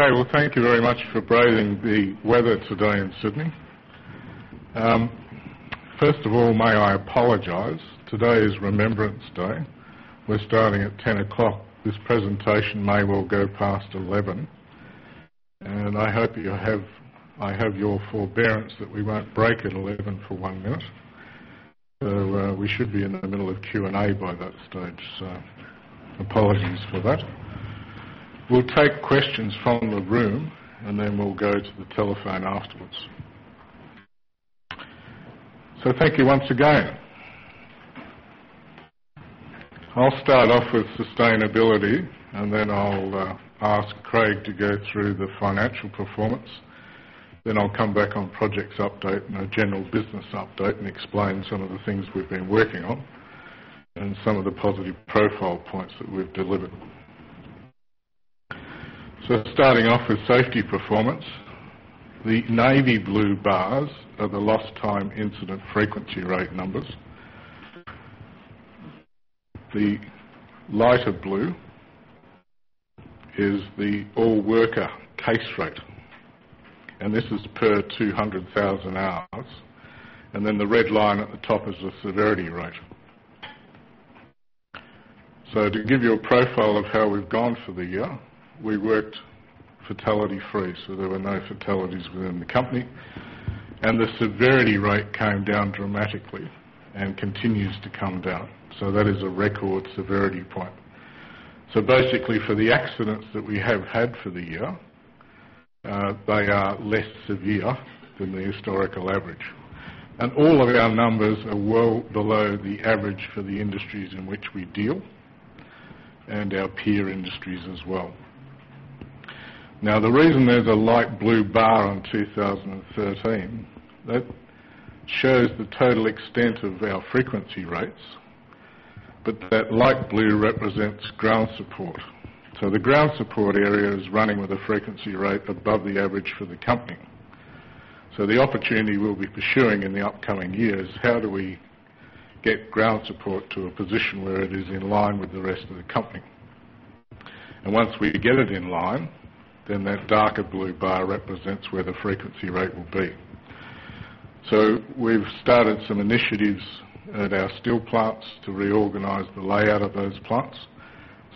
Well, thank you very much for braving the weather today in Sydney. First of all, may I apologize. Today is Remembrance Day. We're starting at 10:00 A.M. This presentation may well go past 11:00 A.M., and I hope I have your forbearance that we won't break at 11:00 A.M. for one minute. We should be in the middle of Q&A by that stage. Apologies for that. We'll take questions from the room, then we'll go to the telephone afterwards. Thank you once again. I'll start off with sustainability, then I'll ask Craig to go through the financial performance. I'll come back on projects update and a general business update and explain some of the things we've been working on and some of the positive profile points that we've delivered. Starting off with safety performance. The navy blue bars are the lost time incident frequency rate numbers. The lighter blue is the all-worker case rate. This is per 200,000 hours. Then the red line at the top is the severity rate. To give you a profile of how we've gone for the year, we worked fatality-free. There were no fatalities within the company. The severity rate came down dramatically and continues to come down. That is a record severity point. Basically, for the accidents that we have had for the year, they are less severe than the historical average. All of our numbers are well below the average for the industries in which we deal and our peer industries as well. Now, the reason there's a light blue bar on 2013, that shows the total extent of our frequency rates. That light blue represents ground support. The ground support area is running with a frequency rate above the average for the company. The opportunity we'll be pursuing in the upcoming year is how do we get ground support to a position where it is in line with the rest of the company. Once we get it in line, then that darker blue bar represents where the frequency rate will be. We've started some initiatives at our steel plants to reorganize the layout of those plants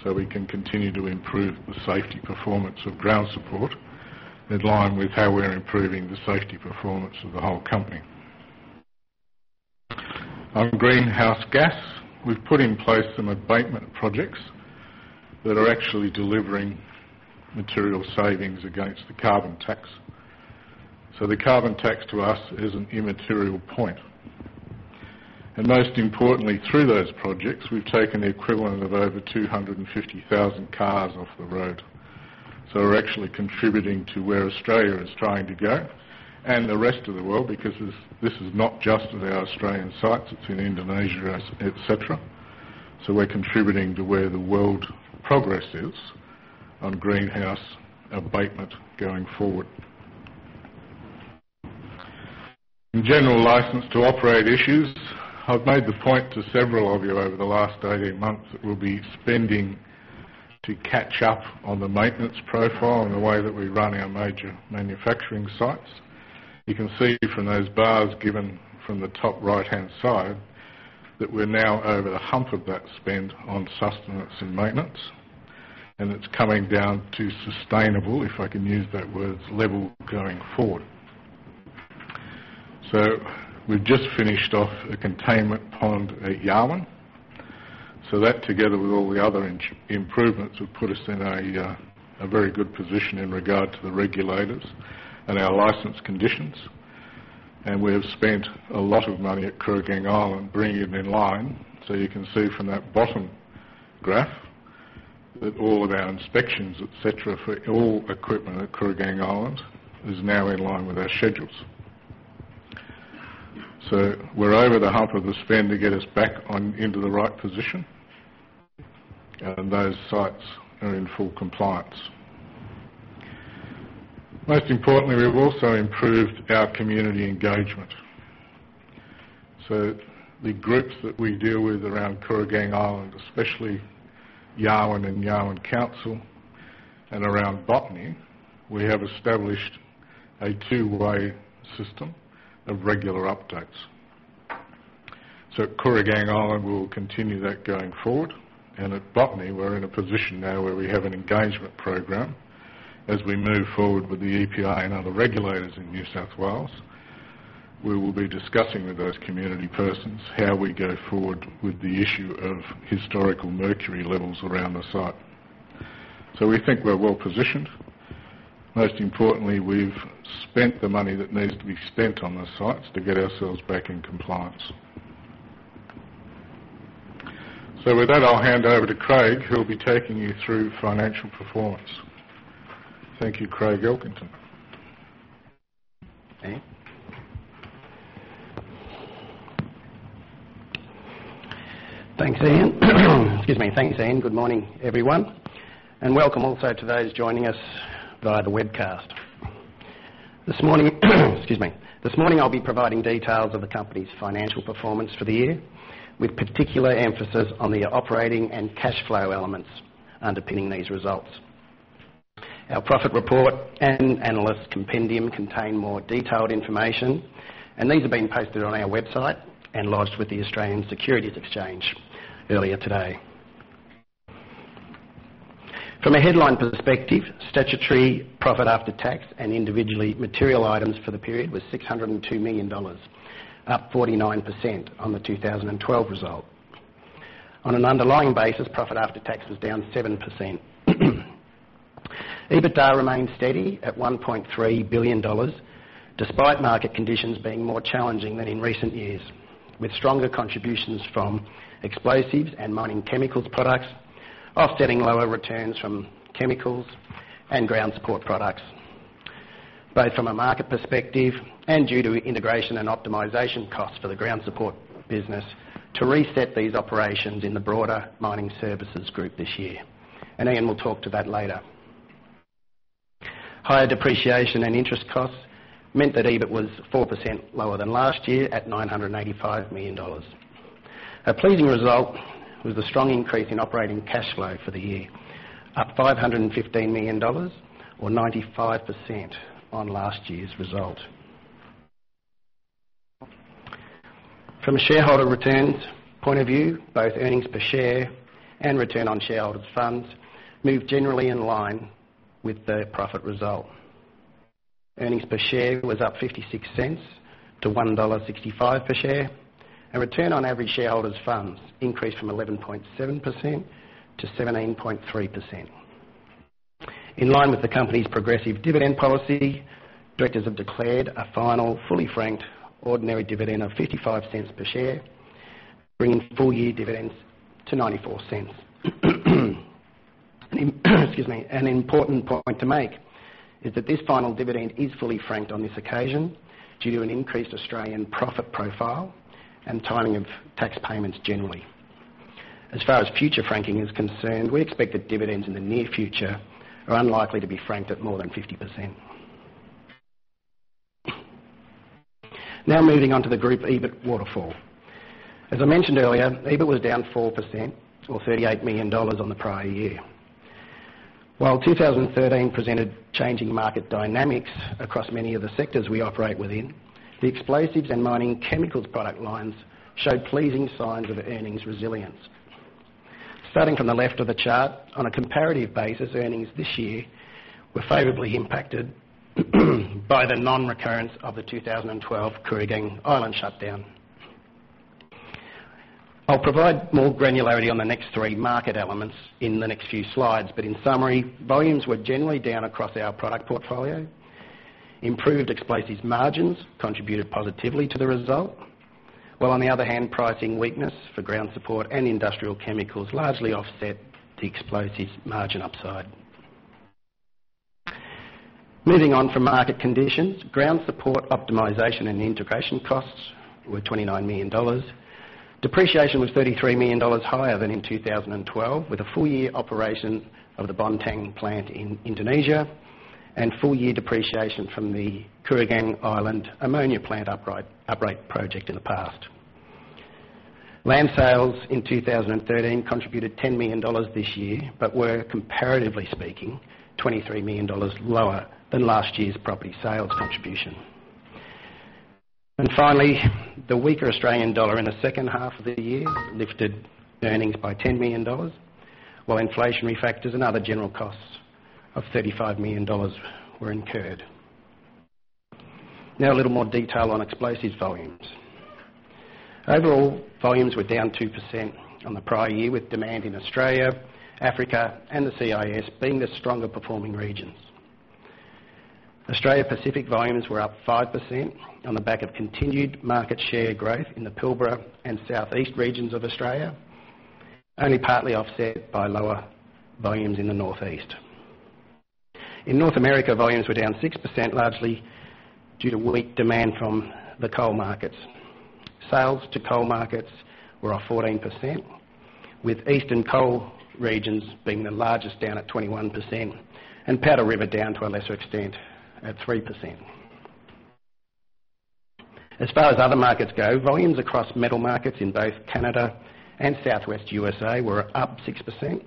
so we can continue to improve the safety performance of ground support in line with how we're improving the safety performance of the whole company. On greenhouse gas, we've put in place some abatement projects that are actually delivering material savings against the carbon tax. The carbon tax to us is an immaterial point. Most importantly, through those projects, we've taken the equivalent of over 250,000 cars off the road. We're actually contributing to where Australia is trying to go and the rest of the world, because this is not just at our Australian sites, it's in Indonesia, et cetera. We're contributing to where the world progress is on greenhouse abatement going forward. In general license to operate issues, I've made the point to several of you over the last 18 months that we'll be spending to catch up on the maintenance profile and the way that we run our major manufacturing sites. You can see from those bars given from the top right-hand side that we're now over the hump of that spend on sustenance and maintenance. It's coming down to sustainable, if I can use that word, level going forward. We've just finished off a containment pond at Yarwun. That together with all the other improvements will put us in a very good position in regard to the regulators and our license conditions. We have spent a lot of money at Kooragang Island bringing it in line. You can see from that bottom graph that all of our inspections, et cetera, for all equipment at Kooragang Island is now in line with our schedules. We're over the hump of the spend to get us back into the right position, and those sites are in full compliance. Most importantly, we've also improved our community engagement. The groups that we deal with around Kooragang Island, especially Yarwun and Yarwun Council and around Botany, we have established a two-way system of regular updates. At Kooragang Island, we'll continue that going forward. At Botany, we're in a position now where we have an engagement program. As we move forward with the EPA and other regulators in New South Wales, we will be discussing with those community persons how we go forward with the issue of historical mercury levels around the site. We think we're well-positioned. Most importantly, we've spent the money that needs to be spent on the sites to get ourselves back in compliance. With that, I'll hand over to Craig, who will be taking you through financial performance. Thank you, Craig Elkington. Ian. Thanks, Ian. Excuse me. Thanks, Ian. Good morning, everyone. Welcome also to those joining us via the webcast. This morning, I'll be providing details of the company's financial performance for the year, with particular emphasis on the operating and cash flow elements underpinning these results. Our profit report and analyst compendium contain more detailed information, and these have been posted on our website and lodged with the Australian Securities Exchange earlier today. From a headline perspective, statutory profit after tax and individually material items for the period was 602 million dollars, up 49% on the 2012 result. On an underlying basis, profit after tax was down 7%. EBITDA remained steady at AUD 1.3 billion, despite market conditions being more challenging than in recent years, with stronger contributions from explosives and mining chemicals products offsetting lower returns from chemicals and ground support products, both from a market perspective and due to integration and optimization costs for the ground support business to reset these operations in the broader mining services group this year. Ian will talk to that later. Higher depreciation and interest costs meant that EBIT was 4% lower than last year at 985 million dollars. A pleasing result was the strong increase in operating cash flow for the year, up 515 million dollars or 95% on last year's result. From a shareholder returns point of view, both earnings per share and return on shareholders' funds moved generally in line with the profit result. Earnings per share was up 0.56 to 1.65 dollar per share, and return on average shareholders' funds increased from 11.7% to 17.3%. In line with the company's progressive dividend policy, directors have declared a final, fully franked ordinary dividend of 0.55 per share, bringing full-year dividends to 0.94. An important point to make is that this final dividend is fully franked on this occasion due to an increased Australian profit profile and timing of tax payments generally. As far as future franking is concerned, we expect that dividends in the near future are unlikely to be franked at more than 50%. Moving on to the group EBIT waterfall. As I mentioned earlier, EBIT was down 4% or 38 million dollars on the prior year. While 2013 presented changing market dynamics across many of the sectors we operate within, the explosives and mining chemicals product lines showed pleasing signs of earnings resilience. Starting from the left of the chart, on a comparative basis, earnings this year were favorably impacted by the non-recurrence of the 2012 Kooragang Island shutdown. I'll provide more granularity on the next three market elements in the next few slides, but in summary, volumes were generally down across our product portfolio. Improved explosives margins contributed positively to the result, while on the other hand, pricing weakness for ground support and industrial chemicals largely offset the explosives margin upside. Moving on from market conditions, ground support optimization and integration costs were 29 million dollars. Depreciation was 33 million dollars higher than in 2012, with a full year operation of the Bontang plant in Indonesia and full-year depreciation from the Kooragang Island ammonia plant uprate project in the past. Land sales in 2013 contributed 10 million dollars this year, but were comparatively speaking 23 million dollars lower than last year's property sales contribution. Finally, the weaker Australian dollar in the second half of the year lifted earnings by 10 million dollars, while inflationary factors and other general costs of 35 million dollars were incurred. A little more detail on explosives volumes. Overall, volumes were down 2% on the prior year, with demand in Australia, Africa, and the CIS being the stronger performing regions. Australia Pacific volumes were up 5% on the back of continued market share growth in the Pilbara and southeast regions of Australia, only partly offset by lower volumes in the northeast. In North America, volumes were down 6%, largely due to weak demand from the coal markets. Sales to coal markets were off 14%, with eastern coal regions being the largest down at 21% and Powder River down to a lesser extent at 3%. As far as other markets go, volumes across metal markets in both Canada and Southwest U.S.A. were up 6%.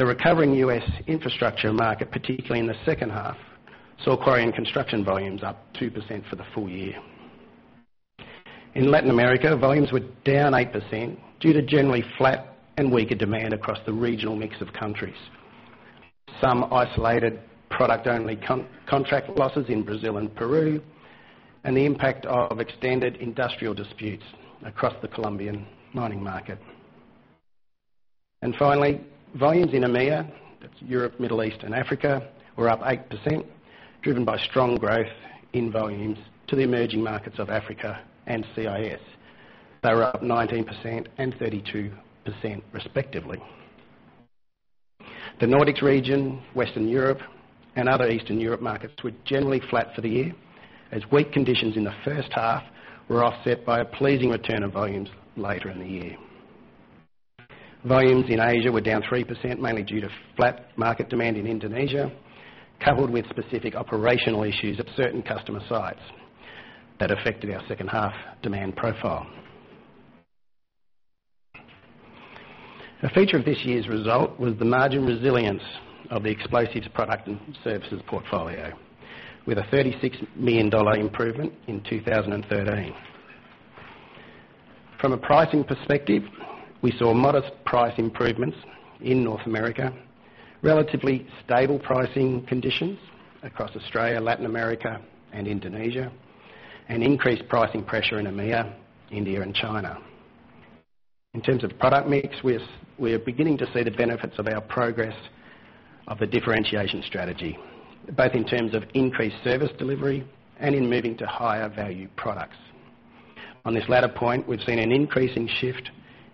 A recovering U.S. infrastructure market, particularly in the second half, saw quarry and construction volumes up 2% for the full year. In Latin America, volumes were down 8% due to generally flat and weaker demand across the regional mix of countries. Some isolated product-only contract losses in Brazil and Peru, and the impact of extended industrial disputes across the Colombian mining market. Finally, volumes in EMEA, that's Europe, Middle East, and Africa, were up 8%, driven by strong growth in volumes to the emerging markets of Africa and CIS. They were up 19% and 32% respectively. The Nordics region, Western Europe, and other Eastern Europe markets were generally flat for the year, as weak conditions in the first half were offset by a pleasing return of volumes later in the year. Volumes in Asia were down 3%, mainly due to flat market demand in Indonesia, coupled with specific operational issues at certain customer sites that affected our second half demand profile. A feature of this year's result was the margin resilience of the explosives product and services portfolio, with an AUD 36 million improvement in 2013. From a pricing perspective, we saw modest price improvements in North America, relatively stable pricing conditions across Australia, Latin America and Indonesia, and increased pricing pressure in EMEA, India and China. In terms of product mix, we are beginning to see the benefits of our progress of the differentiation strategy, both in terms of increased service delivery and in moving to higher value products. On this latter point, we've seen an increase in shift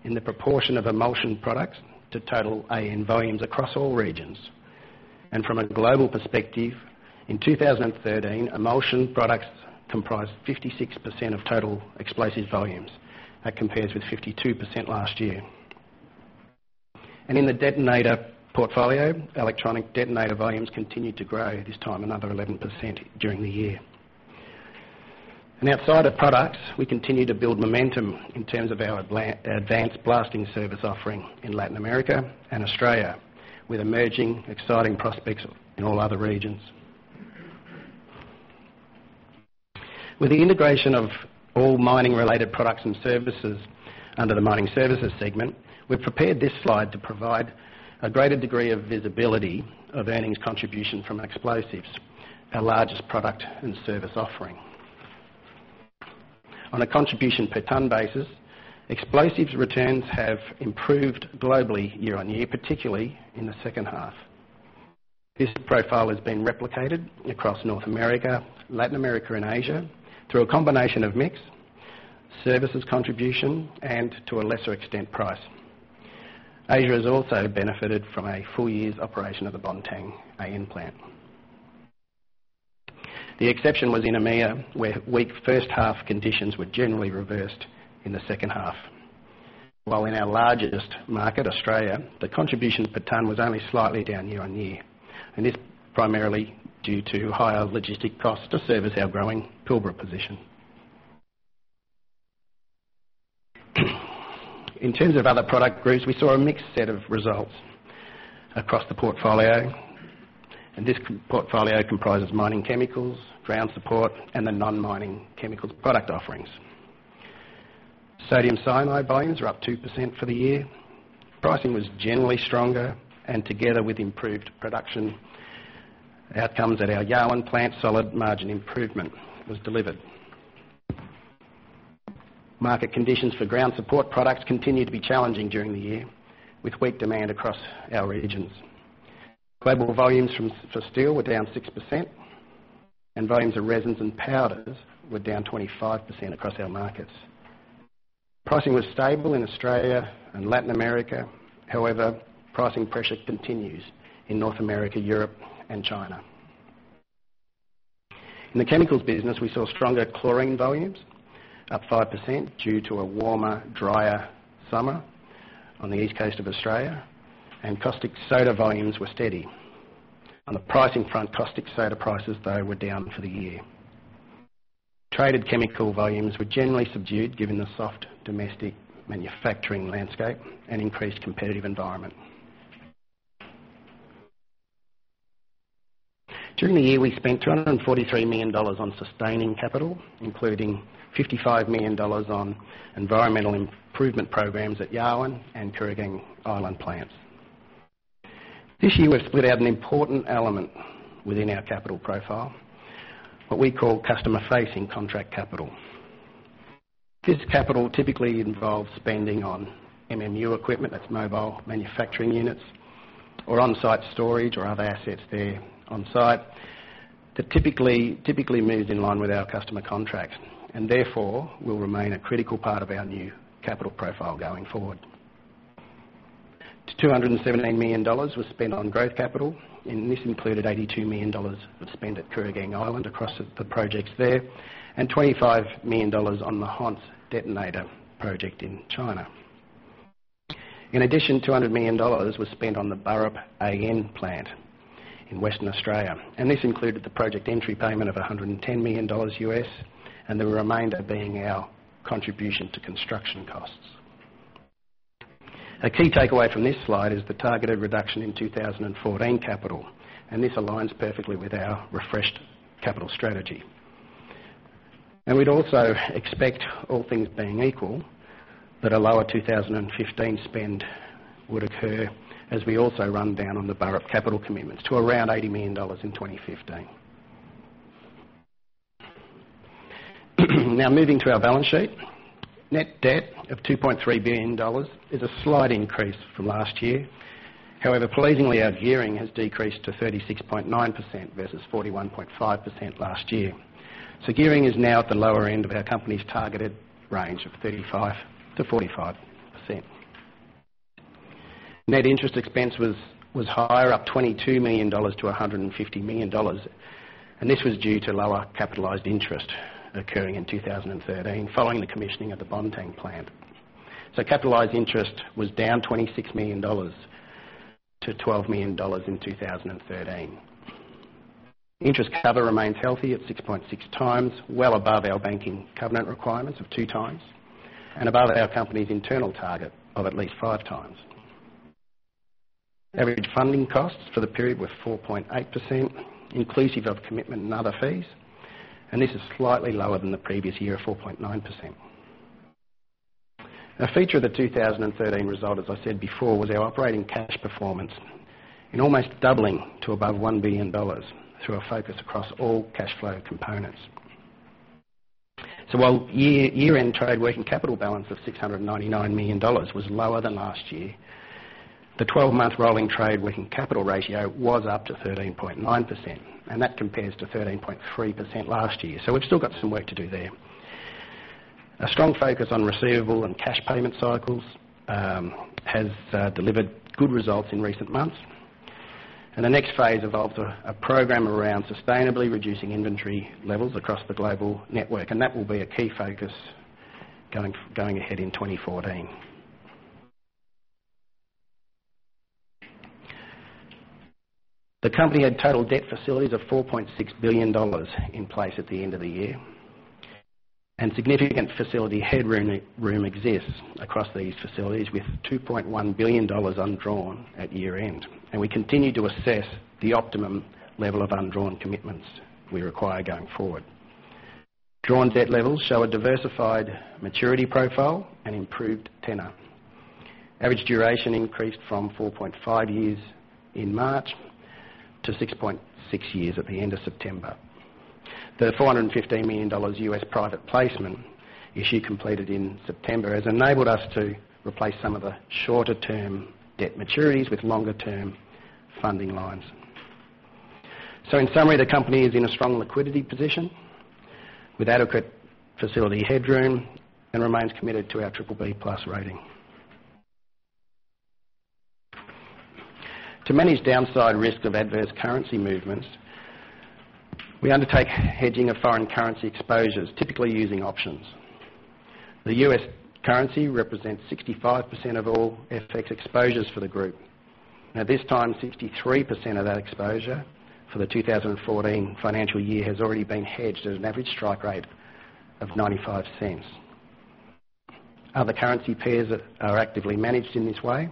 in the proportion of emulsion products to total AN volumes across all regions. From a global perspective, in 2013, emulsion products comprised 56% of total explosives volumes. That compares with 52% last year. In the detonator portfolio, electronic detonator volumes continued to grow, this time another 11% during the year. Outside of products, we continue to build momentum in terms of our advanced blasting service offering in Latin America and Australia, with emerging exciting prospects in all other regions. With the integration of all mining related products and services under the mining services segment, we've prepared this slide to provide a greater degree of visibility of earnings contribution from explosives, our largest product and service offering. On a contribution per ton basis, explosives returns have improved globally year-on-year, particularly in the second half. This profile has been replicated across North America, Latin America and Asia through a combination of mix, services contribution and, to a lesser extent, price. Asia has also benefited from a full year's operation of the Bontang AN plant. The exception was in EMEA, where weak first half conditions were generally reversed in the second half. While in our largest market, Australia, the contribution per ton was only slightly down year-on-year, this primarily due to higher logistic costs to service our growing Pilbara position. In terms of other product groups, we saw a mixed set of results across the portfolio, this portfolio comprises mining chemicals, ground support and the non-mining chemical product offerings. Sodium cyanide volumes are up 2% for the year. Pricing was generally stronger and together with improved production outcomes at our Yarwun plant, solid margin improvement was delivered. Market conditions for ground support products continued to be challenging during the year, with weak demand across our regions. Global volumes for steel were down 6%, and volumes of resins and powders were down 25% across our markets. Pricing was stable in Australia and Latin America. However, pricing pressure continues in North America, Europe and China. In the chemicals business, we saw stronger chlorine volumes, up 5%, due to a warmer, drier summer on the east coast of Australia, and caustic soda volumes were steady. On the pricing front, caustic soda prices, though, were down for the year. Traded chemical volumes were generally subdued given the soft domestic manufacturing landscape and increased competitive environment. During the year, we spent AUD 243 million on sustaining capital, including AUD 55 million on environmental improvement programs at Yarwun and Kooragang Island plants. This year, we've split out an important element within our capital profile, what we call customer-facing contract capital. This capital typically involves spending on MMU equipment, that's Mobile Manufacturing Units, or onsite storage or other assets there on site, that typically moves in line with our customer contracts and therefore will remain a critical part of our new capital profile going forward. 217 million dollars was spent on growth capital. This included 82 million dollars of spend at Kooragang Island across the projects there, and 25 million dollars on the Hunan detonator project in China. 200 million dollars was spent on the Burrup AN plant in Western Australia, and this included the project entry payment of $110 million, and the remainder being our contribution to construction costs. A key takeaway from this slide is the targeted reduction in 2014 capital, and this aligns perfectly with our refreshed capital strategy. We'd also expect, all things being equal, that a lower 2015 spend would occur as we also run down on the Burrup capital commitments to around AUD 80 million in 2015. Moving to our balance sheet. Net debt of AUD 2.3 billion is a slight increase from last year. However, pleasingly, our gearing has decreased to 36.9% versus 41.5% last year. Gearing is now at the lower end of our company's targeted range of 35%-45%. Net interest expense was higher, up 22 million dollars to 150 million dollars, and this was due to lower capitalized interest occurring in 2013 following the commissioning of the Bontang plant. Capitalized interest was down 26 million dollars to 12 million dollars in 2013. Interest cover remains healthy at 6.6 times, well above our banking covenant requirements of two times, and above our company's internal target of at least 5 times. Average funding costs for the period were 4.8%, inclusive of commitment and other fees, and this is slightly lower than the previous year of 4.9%. A feature of the 2013 result, as I said before, was our operating cash performance in almost doubling to above 1 billion dollars through a focus across all cash flow components. While year-end trade working capital balance of 699 million dollars was lower than last year, the 12-month rolling trade working capital ratio was up to 13.9%, and that compares to 13.3% last year. We've still got some work to do there. A strong focus on receivable and cash payment cycles has delivered good results in recent months. The next phase involves a program around sustainably reducing inventory levels across the global network. That will be a key focus going ahead in 2014. The company had total debt facilities of 4.6 billion dollars in place at the end of the year. Significant facility headroom exists across these facilities with 2.1 billion dollars undrawn at year-end. We continue to assess the optimum level of undrawn commitments we require going forward. Drawn debt levels show a diversified maturity profile and improved tenor. Average duration increased from 4.5 years in March to 6.6 years at the end of September. The $450 million U.S. private placement issue completed in September has enabled us to replace some of the shorter-term debt maturities with longer-term funding lines. In summary, the company is in a strong liquidity position with adequate facility headroom and remains committed to our BBB+ rating. To manage downside risk of adverse currency movements, we undertake hedging of foreign currency exposures, typically using options. The U.S. currency represents 65% of all FX exposures for the group. This time, 63% of that exposure for the 2014 financial year has already been hedged at an average strike rate of $0.95. Other currency pairs are actively managed in this way,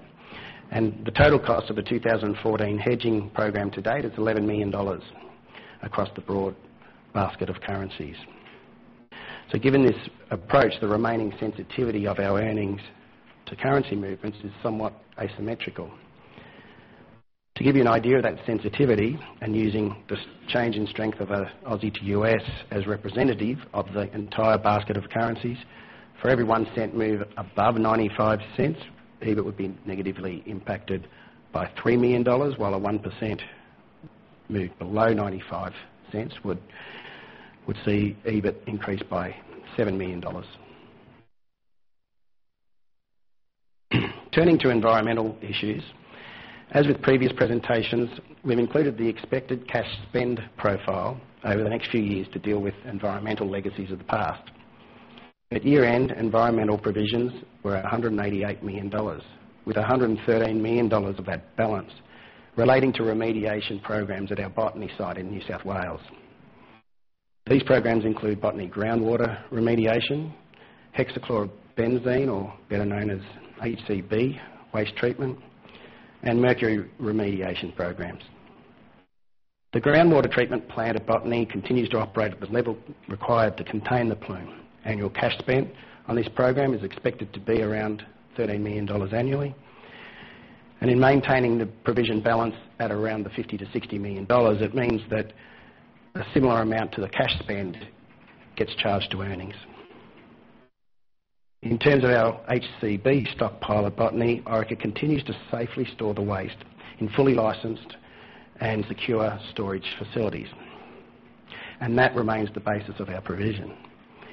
the total cost of the 2014 hedging program to date is 11 million dollars across the broad basket of currencies. Given this approach, the remaining sensitivity of our earnings to currency movements is somewhat asymmetrical. To give you an idea of that sensitivity, using the change in strength of Aussie to U.S. as representative of the entire basket of currencies, for every $0.01 move above $0.95, EBIT would be negatively impacted by $3 million, while a 1% move below $0.95 would see EBIT increase by $7 million. Turning to environmental issues, as with previous presentations, we've included the expected cash spend profile over the next few years to deal with environmental legacies of the past. At year-end, environmental provisions were at 188 million dollars, with 113 million dollars of that balance relating to remediation programs at our Botany site in New South Wales. These programs include Botany groundwater remediation, hexachlorobenzene, or better known as HCB, waste treatment, and mercury remediation programs. The groundwater treatment plant at Botany continues to operate at the level required to contain the plume. Annual cash spend on this program is expected to be around 13 million dollars annually. In maintaining the provision balance at around the 50 million-60 million dollars, it means that a similar amount to the cash spend gets charged to earnings. In terms of our HCB stockpile at Botany, Orica continues to safely store the waste in fully licensed and secure storage facilities, that remains the basis of our provision.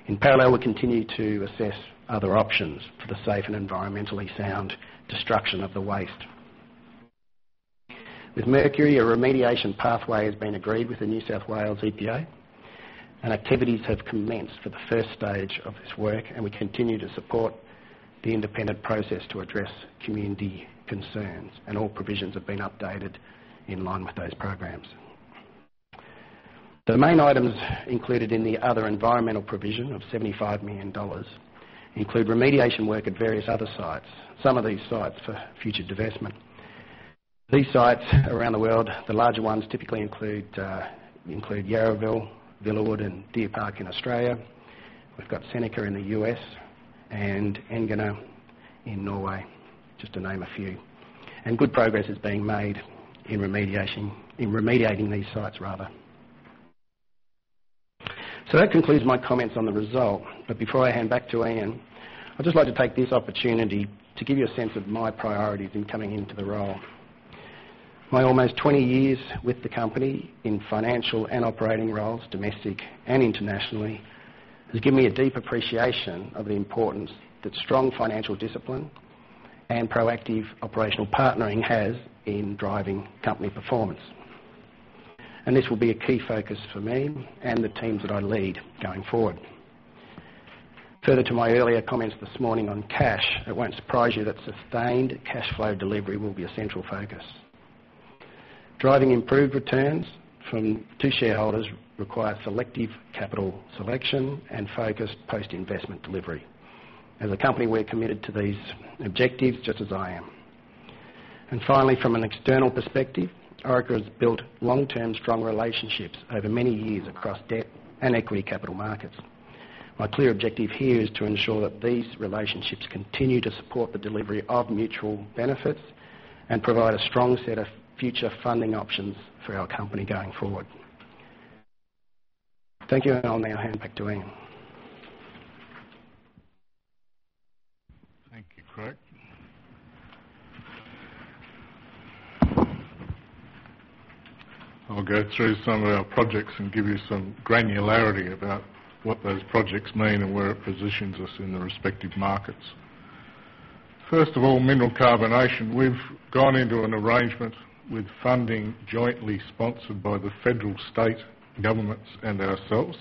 In parallel, we continue to assess other options for the safe and environmentally sound destruction of the waste. With mercury, a remediation pathway has been agreed with the New South Wales EPA, activities have commenced for the stage 1 of this work, we continue to support the independent process to address community concerns, all provisions have been updated in line with those programs. The main items included in the other environmental provision of 75 million dollars include remediation work at various other sites, some of these sites for future divestment. These sites around the world, the larger ones typically include Yarraville, Villawood, and Deer Park in Australia. We've got Seneca in the U.S. Engerø in Norway, just to name a few. Good progress is being made in remediating these sites. That concludes my comments on the result. Before I hand back to Ian, I'd just like to take this opportunity to give you a sense of my priorities in coming into the role. My almost 20 years with the company in financial and operating roles, domestic and internationally, has given me a deep appreciation of the importance that strong financial discipline and proactive operational partnering has in driving company performance. This will be a key focus for me and the teams that I lead going forward. Further to my earlier comments this morning on cash, it won't surprise you that sustained cash flow delivery will be a central focus. Driving improved returns from two shareholders require selective capital selection and focused post-investment delivery. As a company, we're committed to these objectives just as I am. Finally, from an external perspective, Orica has built long-term, strong relationships over many years across debt and equity capital markets. My clear objective here is to ensure that these relationships continue to support the delivery of mutual benefits and provide a strong set of future funding options for our company going forward. Thank you. I'll now hand back to Ian. Thank you, Craig. I'll go through some of our projects and give you some granularity about what those projects mean and where it positions us in the respective markets. First of all, mineral carbonation. We've gone into an arrangement with funding jointly sponsored by the federal state governments and ourselves,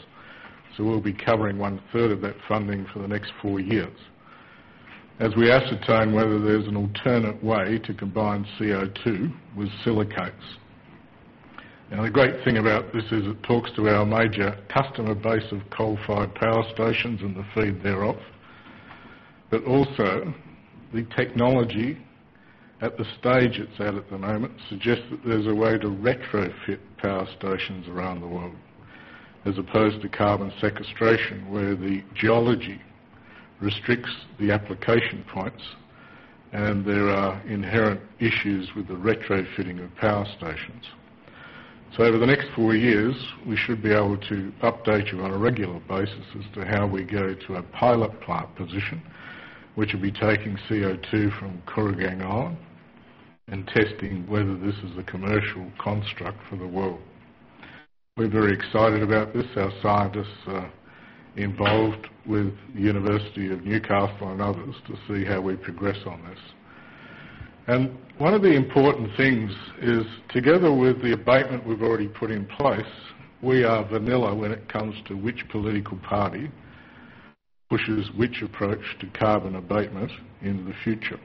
so we'll be covering one-third of that funding for the next four years, as we ascertain whether there's an alternate way to combine CO2 with silicates. The great thing about this is it talks to our major customer base of coal-fired power stations and the feed thereof. Also, the technology at the stage it's at at the moment suggests that there's a way to retrofit power stations around the world, as opposed to carbon sequestration, where the geology restricts the application points, and there are inherent issues with the retrofitting of power stations. Over the next four years, we should be able to update you on a regular basis as to how we go to a pilot plant position, which will be taking CO2 from Kooragang Island and testing whether this is a commercial construct for the world. We're very excited about this. Our scientists are involved with the University of Newcastle and others to see how we progress on this. One of the important things is, together with the abatement we've already put in place, we are vanilla when it comes to which political party pushes which approach to carbon abatement in the future.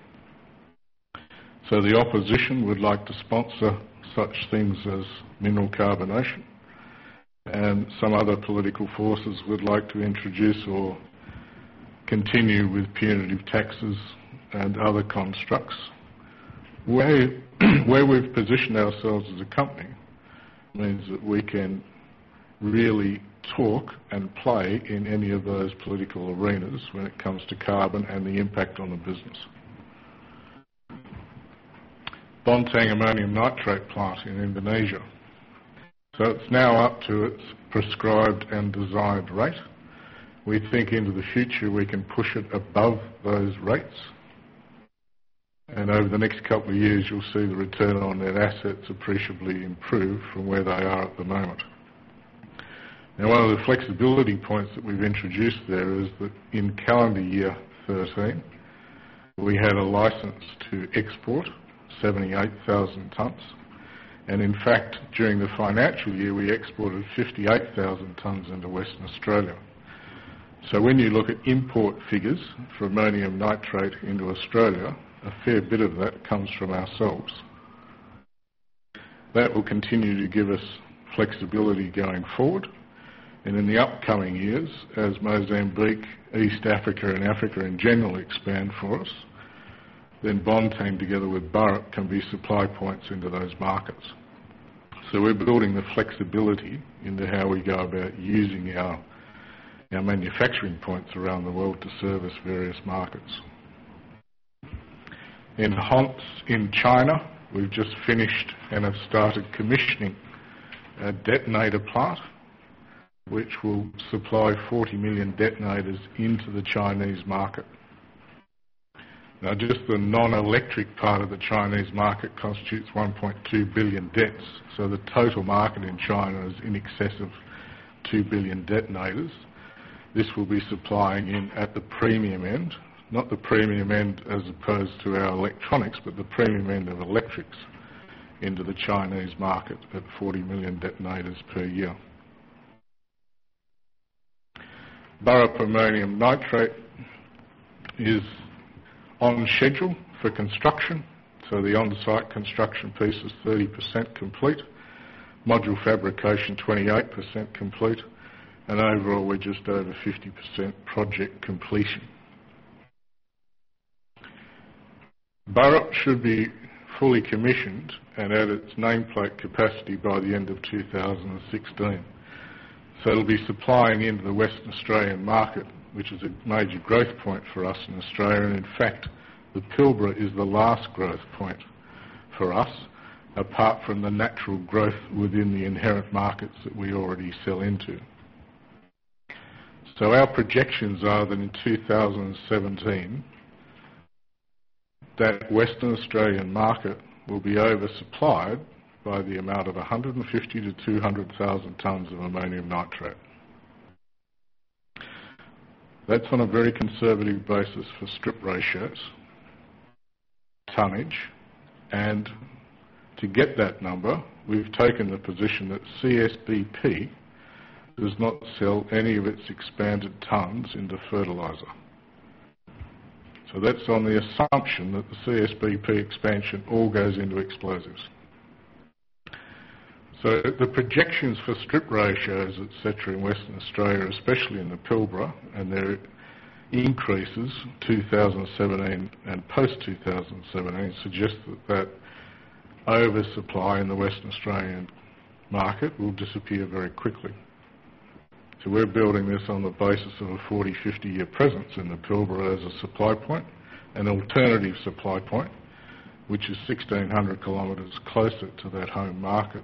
The opposition would like to sponsor such things as mineral carbonation, and some other political forces would like to introduce or continue with punitive taxes and other constructs. Where we've positioned ourselves as a company means that we can really talk and play in any of those political arenas when it comes to carbon and the impact on the business. Bontang ammonium nitrate plant in Indonesia. It's now up to its prescribed and desired rate. We think into the future, we can push it above those rates. Over the next couple of years, you'll see the return on that asset appreciably improve from where they are at the moment. One of the flexibility points that we've introduced there is that in calendar year 2013, we had a license to export 78,000 tons. In fact, during the financial year, we exported 58,000 tons into Western Australia. When you look at import figures for ammonium nitrate into Australia, a fair bit of that comes from ourselves. That will continue to give us flexibility going forward. In the upcoming years, as Mozambique, East Africa, and Africa in general expand for us, Bontang, together with Burrup, can be supply points into those markets. We're building the flexibility into how we go about using our manufacturing points around the world to service various markets. In Hunan, in China, we've just finished and have started commissioning a detonator plant which will supply 40 million detonators into the Chinese market. Just the non-electric part of the Chinese market constitutes 1.2 billion dets. The total market in China is in excess of 2 billion detonators. This will be supplying in at the premium end. Not the premium end as opposed to our electronics, but the premium end of electrics into the Chinese market at 40 million detonators per year. Burrup ammonium nitrate is on schedule for construction, the on-site construction piece is 30% complete. Module fabrication, 28% complete. Overall, we're just over 50% project completion. Burrup should be fully commissioned and at its nameplate capacity by the end of 2016. It'll be supplying into the Western Australian market, which is a major growth point for us in Australia. In fact, the Pilbara is the last growth point for us, apart from the natural growth within the inherent markets that we already sell into. Our projections are that in 2017, that Western Australian market will be oversupplied by the amount of 150,000-200,000 tons of ammonium nitrate. That's on a very conservative basis for strip ratios, tonnage, and to get that number, we've taken the position that CSBP does not sell any of its expanded tons into fertilizer. That's on the assumption that the CSBP expansion all goes into explosives. The projections for strip ratios, et cetera, in Western Australia, especially in the Pilbara, and their increases in 2017 and post-2017 suggest that oversupply in the Western Australian market will disappear very quickly. We're building this on the basis of a 40-50-year presence in the Pilbara as a supply point, an alternative supply point, which is 1,600 kilometers closer to that home market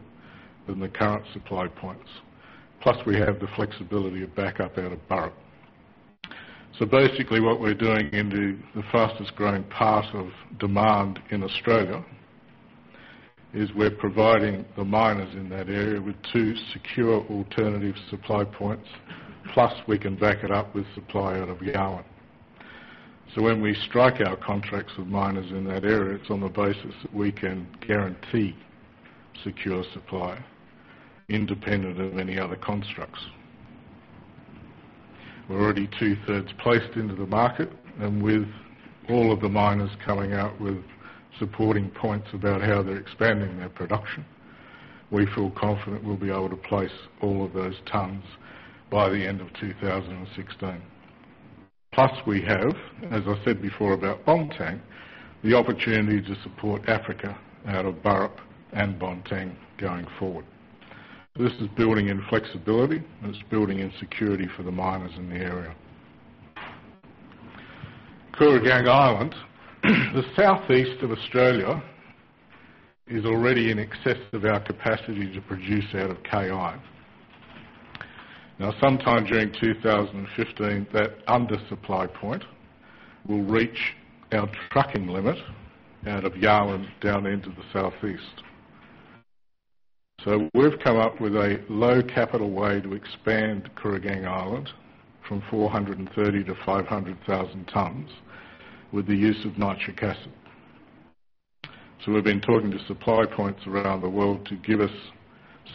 than the current supply points. Plus, we have the flexibility of backup out of Burrup. Basically, what we're doing in the fastest-growing part of demand in Australia is we're providing the miners in that area with two secure alternative supply points. Plus, we can back it up with supply out of Yarwun. When we strike our contracts with miners in that area, it's on the basis that we can guarantee secure supply independent of any other constructs. We're already two-thirds placed into the market, and with all of the miners coming out with supporting points about how they're expanding their production, we feel confident we'll be able to place all of those tons by the end of 2016. We have, as I said before about Bontang, the opportunity to support Africa out of Burrup and Bontang going forward. This is building in flexibility, and it's building in security for the miners in the area. Kooragang Island. The southeast of Australia is already in excess of our capacity to produce out of KI. Sometime during 2015, that undersupply point will reach our trucking limit out of Yarwun down into the southeast. We've come up with a low-capital way to expand Kooragang Island from 430,000 to 500,000 tons with the use of nitric acid. We've been talking to supply points around the world to give us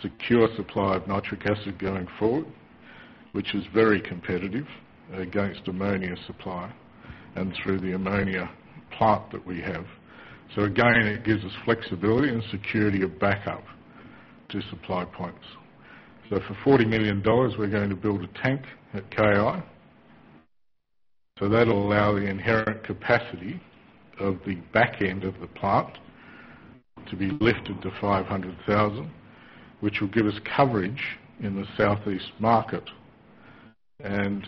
secure supply of nitric acid going forward, which is very competitive against ammonia supply and through the ammonia plant that we have. Again, it gives us flexibility and security of backup to supply points. For 40 million dollars, we're going to build a tank at KI. That'll allow the inherent capacity of the back end of the plant to be lifted to 500,000, which will give us coverage in the southeast market and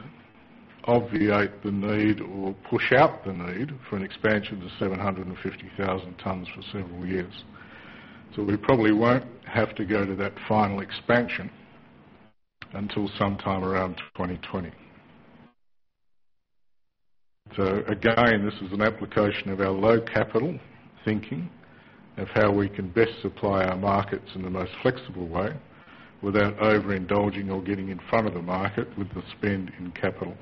obviate the need or push out the need for an expansion to 750,000 tons for several years. We probably won't have to go to that final expansion until sometime around 2020. Again, this is an application of our low-capital thinking of how we can best supply our markets in the most flexible way without overindulging or getting in front of the market with the spend in capital.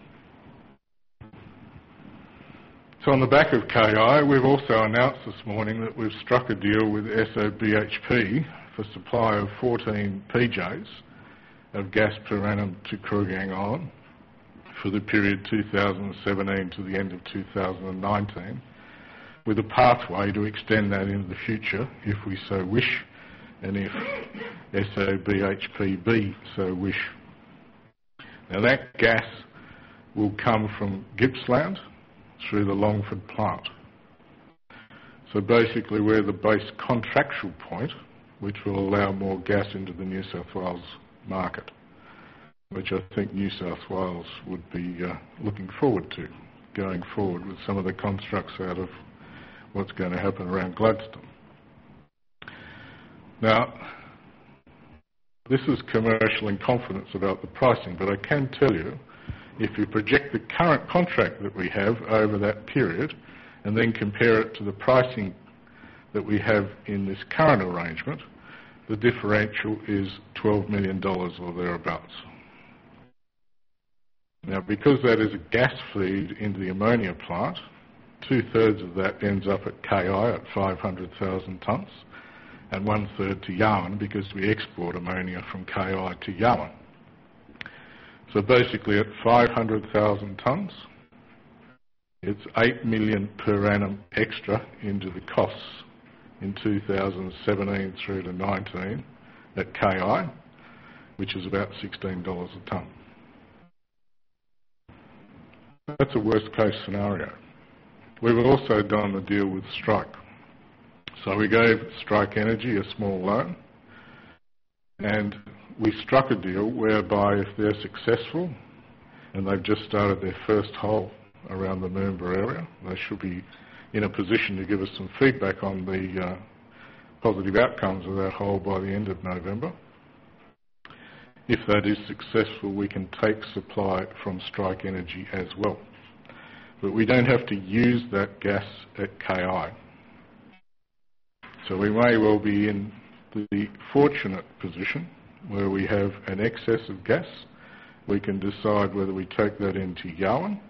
On the back of KI, we've also announced this morning that we've struck a deal with SOBHP for supply of 14 petajoules of gas per annum to Kooragang Island for the period 2017 to the end of 2019, with a pathway to extend that into the future if we so wish and if SOBHP so wish. That gas will come from Gippsland through the Longford plant. Basically, we're the base contractual point which will allow more gas into the New South Wales market, which I think New South Wales would be looking forward to going forward with some of the constructs out of what's going to happen around Gladstone. This is commercial-in-confidence about the pricing, I can tell you, if you project the current contract that we have over that period and compare it to the pricing that we have in this current arrangement, the differential is 12 million dollars or thereabouts. Because that is a gas feed into the ammonia plant, two-thirds of that ends up at KI at 500,000 tons and one-third to Yarwun because we export ammonia from KI to Yarwun. Basically, at 500,000 tons, it's 8 million per annum extra into the costs in 2017 through to 2019 at KI, which is about 16 dollars a ton. That's a worst-case scenario. We've also done a deal with Strike. We gave Strike Energy a small loan, and we struck a deal whereby if they're successful, and they've just started their first hole around the Moonbir area, they should be in a position to give us some feedback on positive outcomes of that hole by the end of November. If that is successful, we can take supply from Strike Energy as well. We don't have to use that gas at KI. We may well be in the fortunate position where we have an excess of gas. We can decide whether we take that into Yarwun,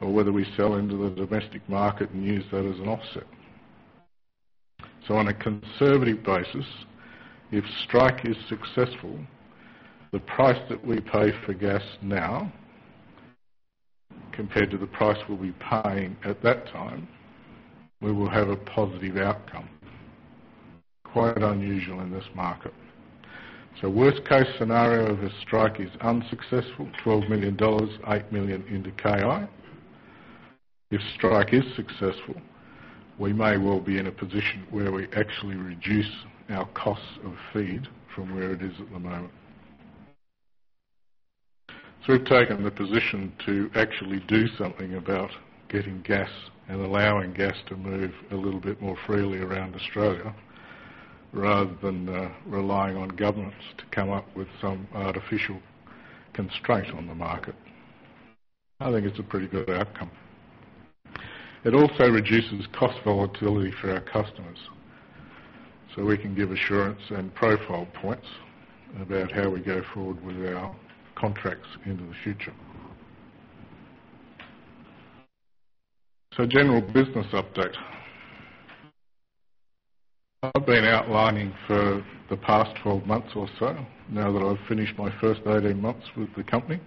or whether we sell into the domestic market and use that as an offset. On a conservative basis, if Strike is successful, the price that we pay for gas now compared to the price we'll be paying at that time, we will have a positive outcome. Quite unusual in this market. Worst case scenario if Strike is unsuccessful, 12 million dollars, 8 million into KI. If Strike is successful, we may well be in a position where we actually reduce our costs of feed from where it is at the moment. We've taken the position to actually do something about getting gas and allowing gas to move a little bit more freely around Australia, rather than relying on governments to come up with some artificial constraint on the market. I think it's a pretty good outcome. It also reduces cost volatility for our customers, so we can give assurance and profile points about how we go forward with our contracts into the future. General business update. I've been outlining for the past 12 months or so, now that I've finished my first 18 months with the company,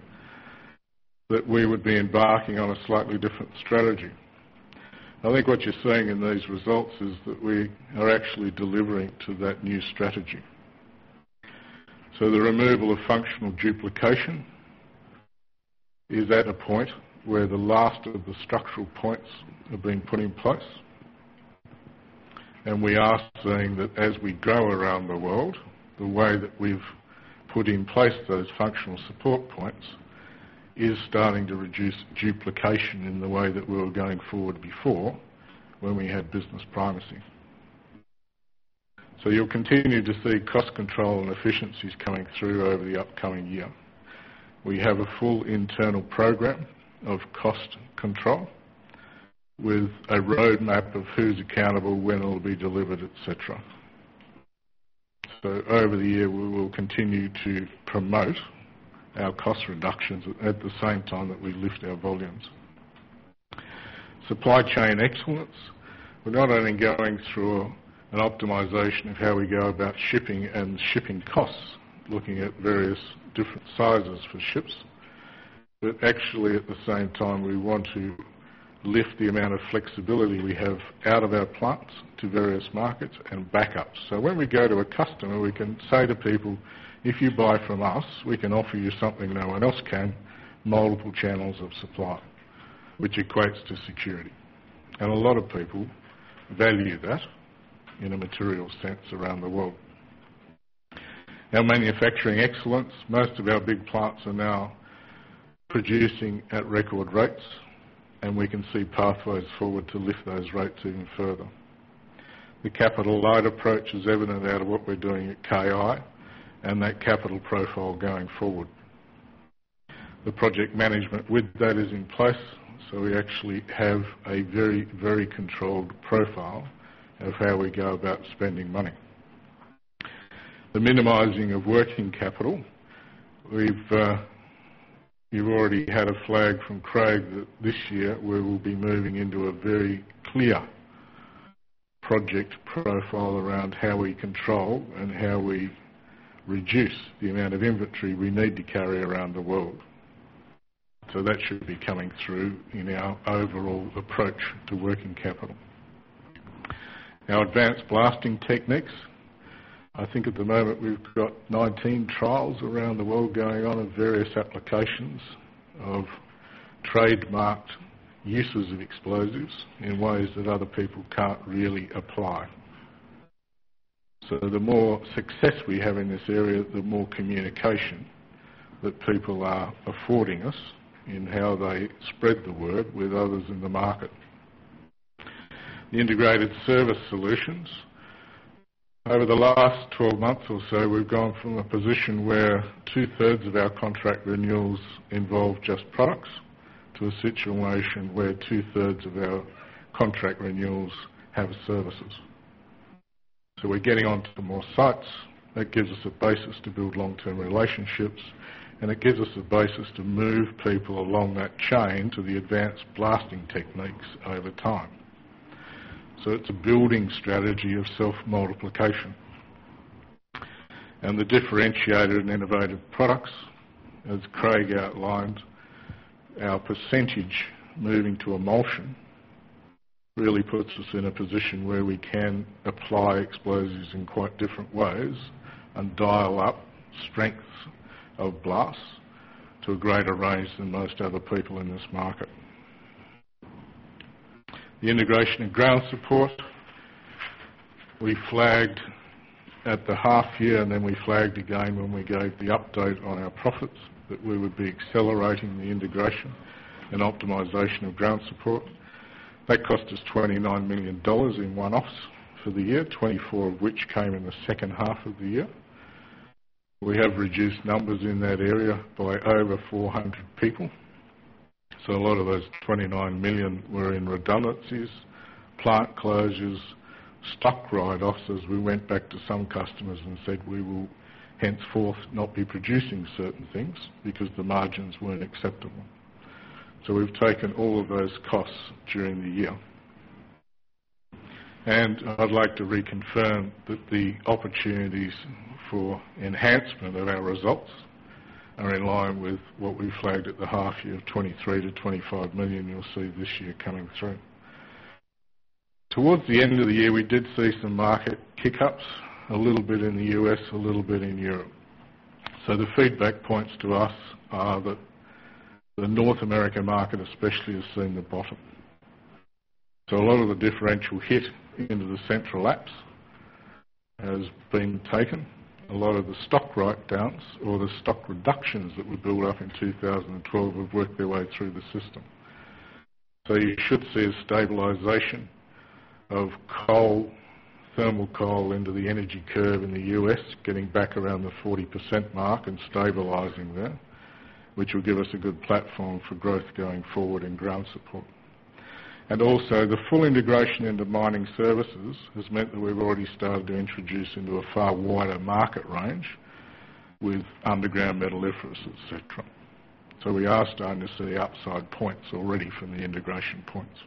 that we would be embarking on a slightly different strategy. I think what you're seeing in these results is that we are actually delivering to that new strategy. The removal of functional duplication is at a point where the last of the structural points have been put in place. We are seeing that as we go around the world, the way that we've put in place those functional support points is starting to reduce duplication in the way that we were going forward before, when we had business primacy. You'll continue to see cost control and efficiencies coming through over the upcoming year. We have a full internal program of cost control with a roadmap of who's accountable, when it'll be delivered, et cetera. Over the year, we will continue to promote our cost reductions at the same time that we lift our volumes. Supply chain excellence. We're not only going through an optimization of how we go about shipping and shipping costs, looking at various different sizes for ships. Actually at the same time, we want to lift the amount of flexibility we have out of our plants to various markets and backups. When we go to a customer, we can say to people, "If you buy from us, we can offer you something no one else can, multiple channels of supply," which equates to security. A lot of people value that in a material sense around the world. Our manufacturing excellence. Most of our big plants are now producing at record rates, and we can see pathways forward to lift those rates even further. The capital-light approach is evident out of what we're doing at KI, and that capital profile going forward. The project management with that is in place, so we actually have a very, very controlled profile of how we go about spending money. The minimizing of working capital. You've already had a flag from Craig that this year we will be moving into a very clear project profile around how we control and how we reduce the amount of inventory we need to carry around the world. That should be coming through in our overall approach to working capital. Our advanced blasting techniques. I think at the moment we've got 19 trials around the world going on of various applications of trademarked uses of explosives in ways that other people can't really apply. The more success we have in this area, the more communication that people are affording us in how they spread the word with others in the market. The integrated service solutions. Over the last 12 months or so, we've gone from a position where two-thirds of our contract renewals involve just products, to a situation where two-thirds of our contract renewals have services. We're getting onto more sites. That gives us a basis to build long-term relationships, and it gives us a basis to move people along that chain to the advanced blasting techniques over time. It's a building strategy of self-multiplication. The differentiated and innovative products. As Craig outlined, our percentage moving to emulsion really puts us in a position where we can apply explosives in quite different ways and dial up strengths of blasts to a greater range than most other people in this market. The integration of ground support. We flagged at the half year, and then we flagged again when we gave the update on our profits, that we would be accelerating the integration and optimization of ground support. That cost us 29 million dollars in one-offs for the year, 24 of which came in the second half of the year. We have reduced numbers in that area by over 400 people. A lot of those 29 million were in redundancies, plant closures, stock write-offs, as we went back to some customers and said we will henceforth not be producing certain things because the margins weren't acceptable. We've taken all of those costs during the year. I'd like to reconfirm that the opportunities for enhancement of our results are in line with what we flagged at the half year of 23 million-25 million you'll see this year coming through. Towards the end of the year, we did see some market kick-ups, a little bit in the U.S., a little bit in Europe. The feedback points to us are that the North American market especially has seen the bottom. A lot of the differential hit into the Central Appalachian has been taken. A lot of the stock write-downs or the stock reductions that were built up in 2012 have worked their way through the system. You should see a stabilization of coal, thermal coal into the energy curve in the U.S., getting back around the 40% mark and stabilizing there, which will give us a good platform for growth going forward in ground support. Also, the full integration into mining services has meant that we've already started to introduce into a far wider market range with underground metalliferous, et cetera. We are starting to see upside points already from the integration points.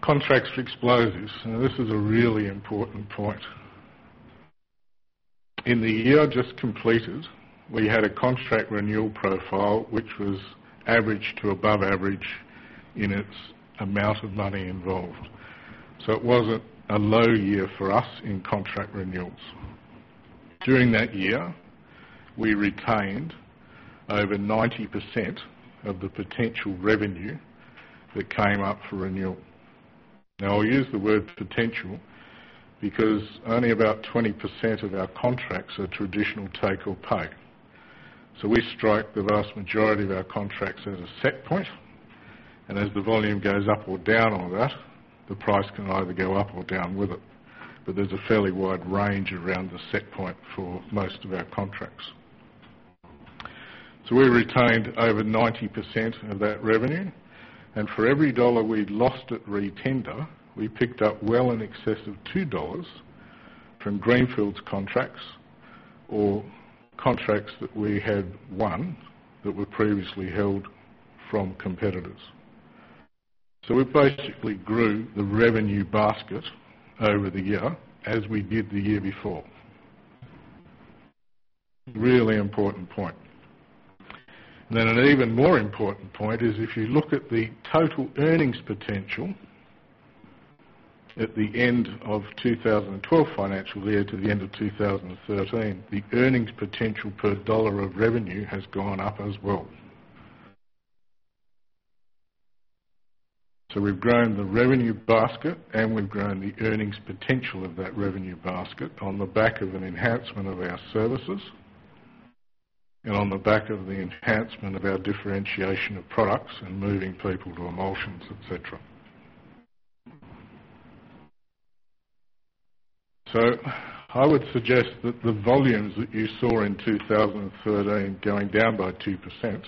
Contracts for explosives. This is a really important point. In the year just completed, we had a contract renewal profile, which was average to above average in its amount of money involved. It wasn't a low year for us in contract renewals. During that year, we retained over 90% of the potential revenue that came up for renewal. I'll use the word potential because only about 20% of our contracts are traditional take-or-pay. We strike the vast majority of our contracts at a set point, and as the volume goes up or down on that, the price can either go up or down with it. There's a fairly wide range around the set point for most of our contracts. We retained over 90% of that revenue, and for every dollar we'd lost at re-tender, we picked up well in excess of 2 dollars from greenfields contracts or contracts that we had won that were previously held from competitors. We basically grew the revenue basket over the year, as we did the year before. Really important point. An even more important point is if you look at the total earnings potential at the end of 2012 financial year to the end of 2013, the earnings potential per dollar of revenue has gone up as well. We've grown the revenue basket and we've grown the earnings potential of that revenue basket on the back of an enhancement of our services and on the back of the enhancement of our differentiation of products and moving people to emulsions, et cetera. I would suggest that the volumes that you saw in 2013 going down by 2%,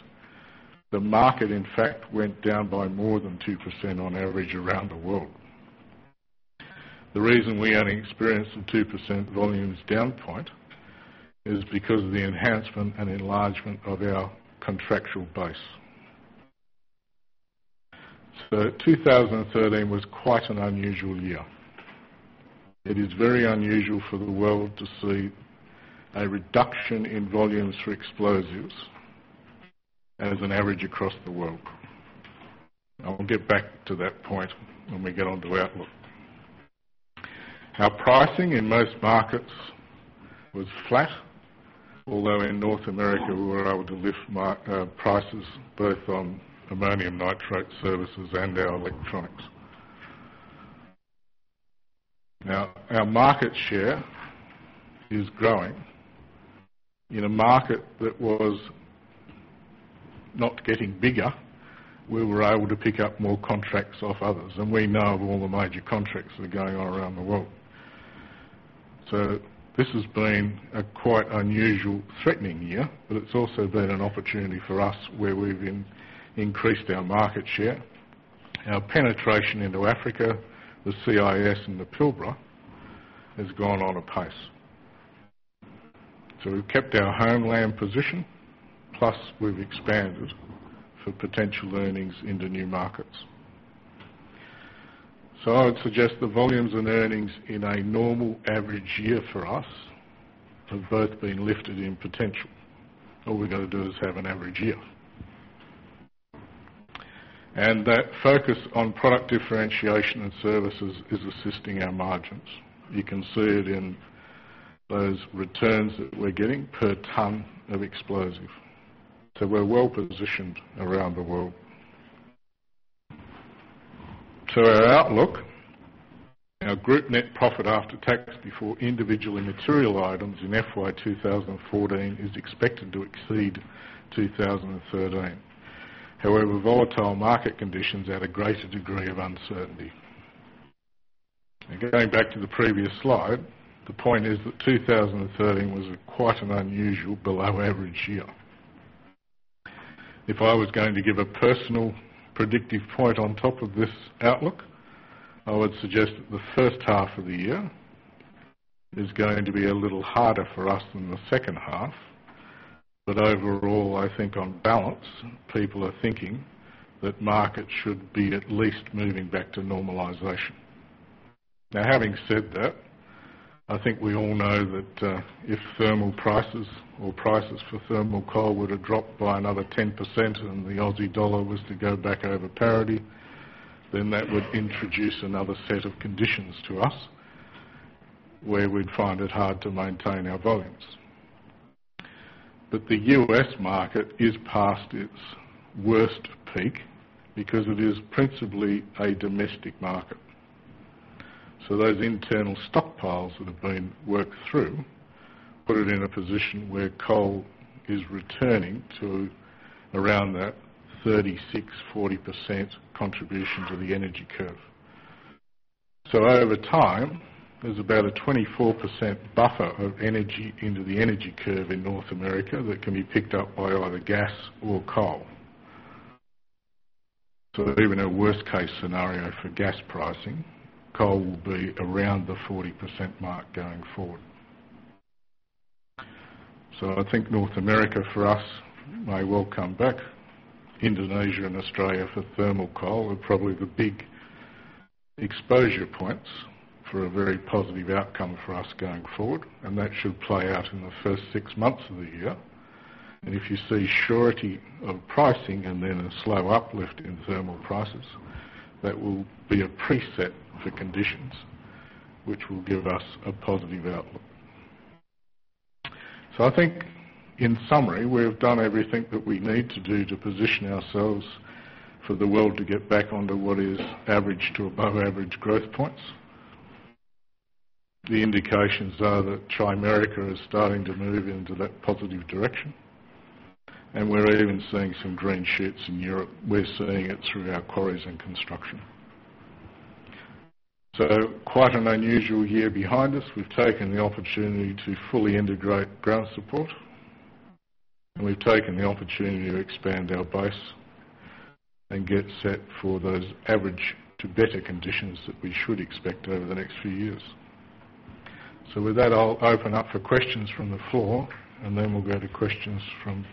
the market, in fact, went down by more than 2% on average around the world. The reason we only experienced a 2% volumes down point is because of the enhancement and enlargement of our contractual base. 2013 was quite an unusual year. It is very unusual for the world to see a reduction in volumes for explosives as an average across the world. I will get back to that point when we get onto outlook. Our pricing in most markets was flat. In North America, we were able to lift prices both on ammonium nitrate services and our electronics. Our market share is growing. In a market that was not getting bigger, we were able to pick up more contracts off others, and we know of all the major contracts that are going on around the world. This has been a quite unusual threatening year, but it's also been an opportunity for us where we've increased our market share. Our penetration into Africa, the CIS, and the Pilbara has gone on apace. We've kept our homeland position, plus we've expanded for potential earnings into new markets. I would suggest the volumes and earnings in a normal average year for us have both been lifted in potential. All we've got to do is have an average year. That focus on product differentiation and services is assisting our margins. You can see it in those returns that we're getting per ton of explosive. We're well-positioned around the world To our outlook. Our group net profit after tax before individually material items in FY 2014 is expected to exceed 2013. However, volatile market conditions add a greater degree of uncertainty. Going back to the previous slide, the point is that 2013 was quite an unusual below-average year. If I was going to give a personal predictive point on top of this outlook, I would suggest that the first half of the year is going to be a little harder for us than the second half. Overall, I think on balance, people are thinking that market should be at least moving back to normalization. Now having said that, I think we all know that if thermal prices or prices for thermal coal were to drop by another 10% and the Aussie dollar was to go back over parity, then that would introduce another set of conditions to us, where we'd find it hard to maintain our volumes. The U.S. market is past its worst peak because it is principally a domestic market. Those internal stockpiles that have been worked through put it in a position where coal is returning to around that 36%, 40% contribution to the energy curve. Over time, there's about a 24% buffer of energy into the energy curve in North America that can be picked up by either gas or coal. Even a worst-case scenario for gas pricing, coal will be around the 40% mark going forward. I think North America for us may well come back. Indonesia and Australia for thermal coal are probably the big exposure points for a very positive outcome for us going forward, and that should play out in the first six months of the year. If you see surety of pricing and then a slow uplift in thermal prices, that will be a preset for conditions which will give us a positive outlook. I think in summary, we've done everything that we need to do to position ourselves for the world to get back onto what is average to above-average growth points. The indications are that Tri-America is starting to move into that positive direction, and we're even seeing some green shoots in Europe. We're seeing it through our quarries and construction. Quite an unusual year behind us. We've taken the opportunity to fully integrate ground support, and we've taken the opportunity to expand our base and get set for those average to better conditions that we should expect over the next few years. With that, I'll open up for questions from the floor, and then we'll go to questions from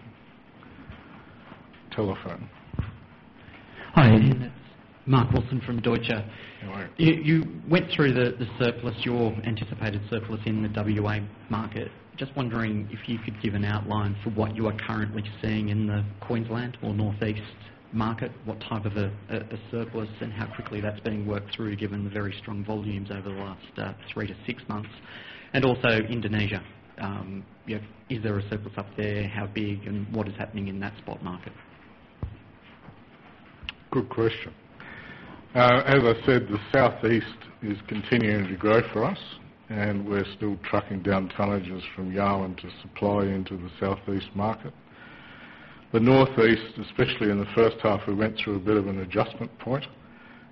telephone. Hi Ian, it's Mark Wilson from Deutsche. How are you? You went through the surplus, your anticipated surplus in the WA market. Just wondering if you could give an outline for what you are currently seeing in the Queensland or Northeast market, what type of a surplus, and how quickly that's being worked through, given the very strong volumes over the last three to six months? Also Indonesia, is there a surplus up there? How big, and what is happening in that spot market? Good question. As I said, the Southeast is continuing to grow for us, and we're still trucking down tonnages from Yarwun to supply into the Southeast market. The Northeast, especially in the first half, we went through a bit of an adjustment point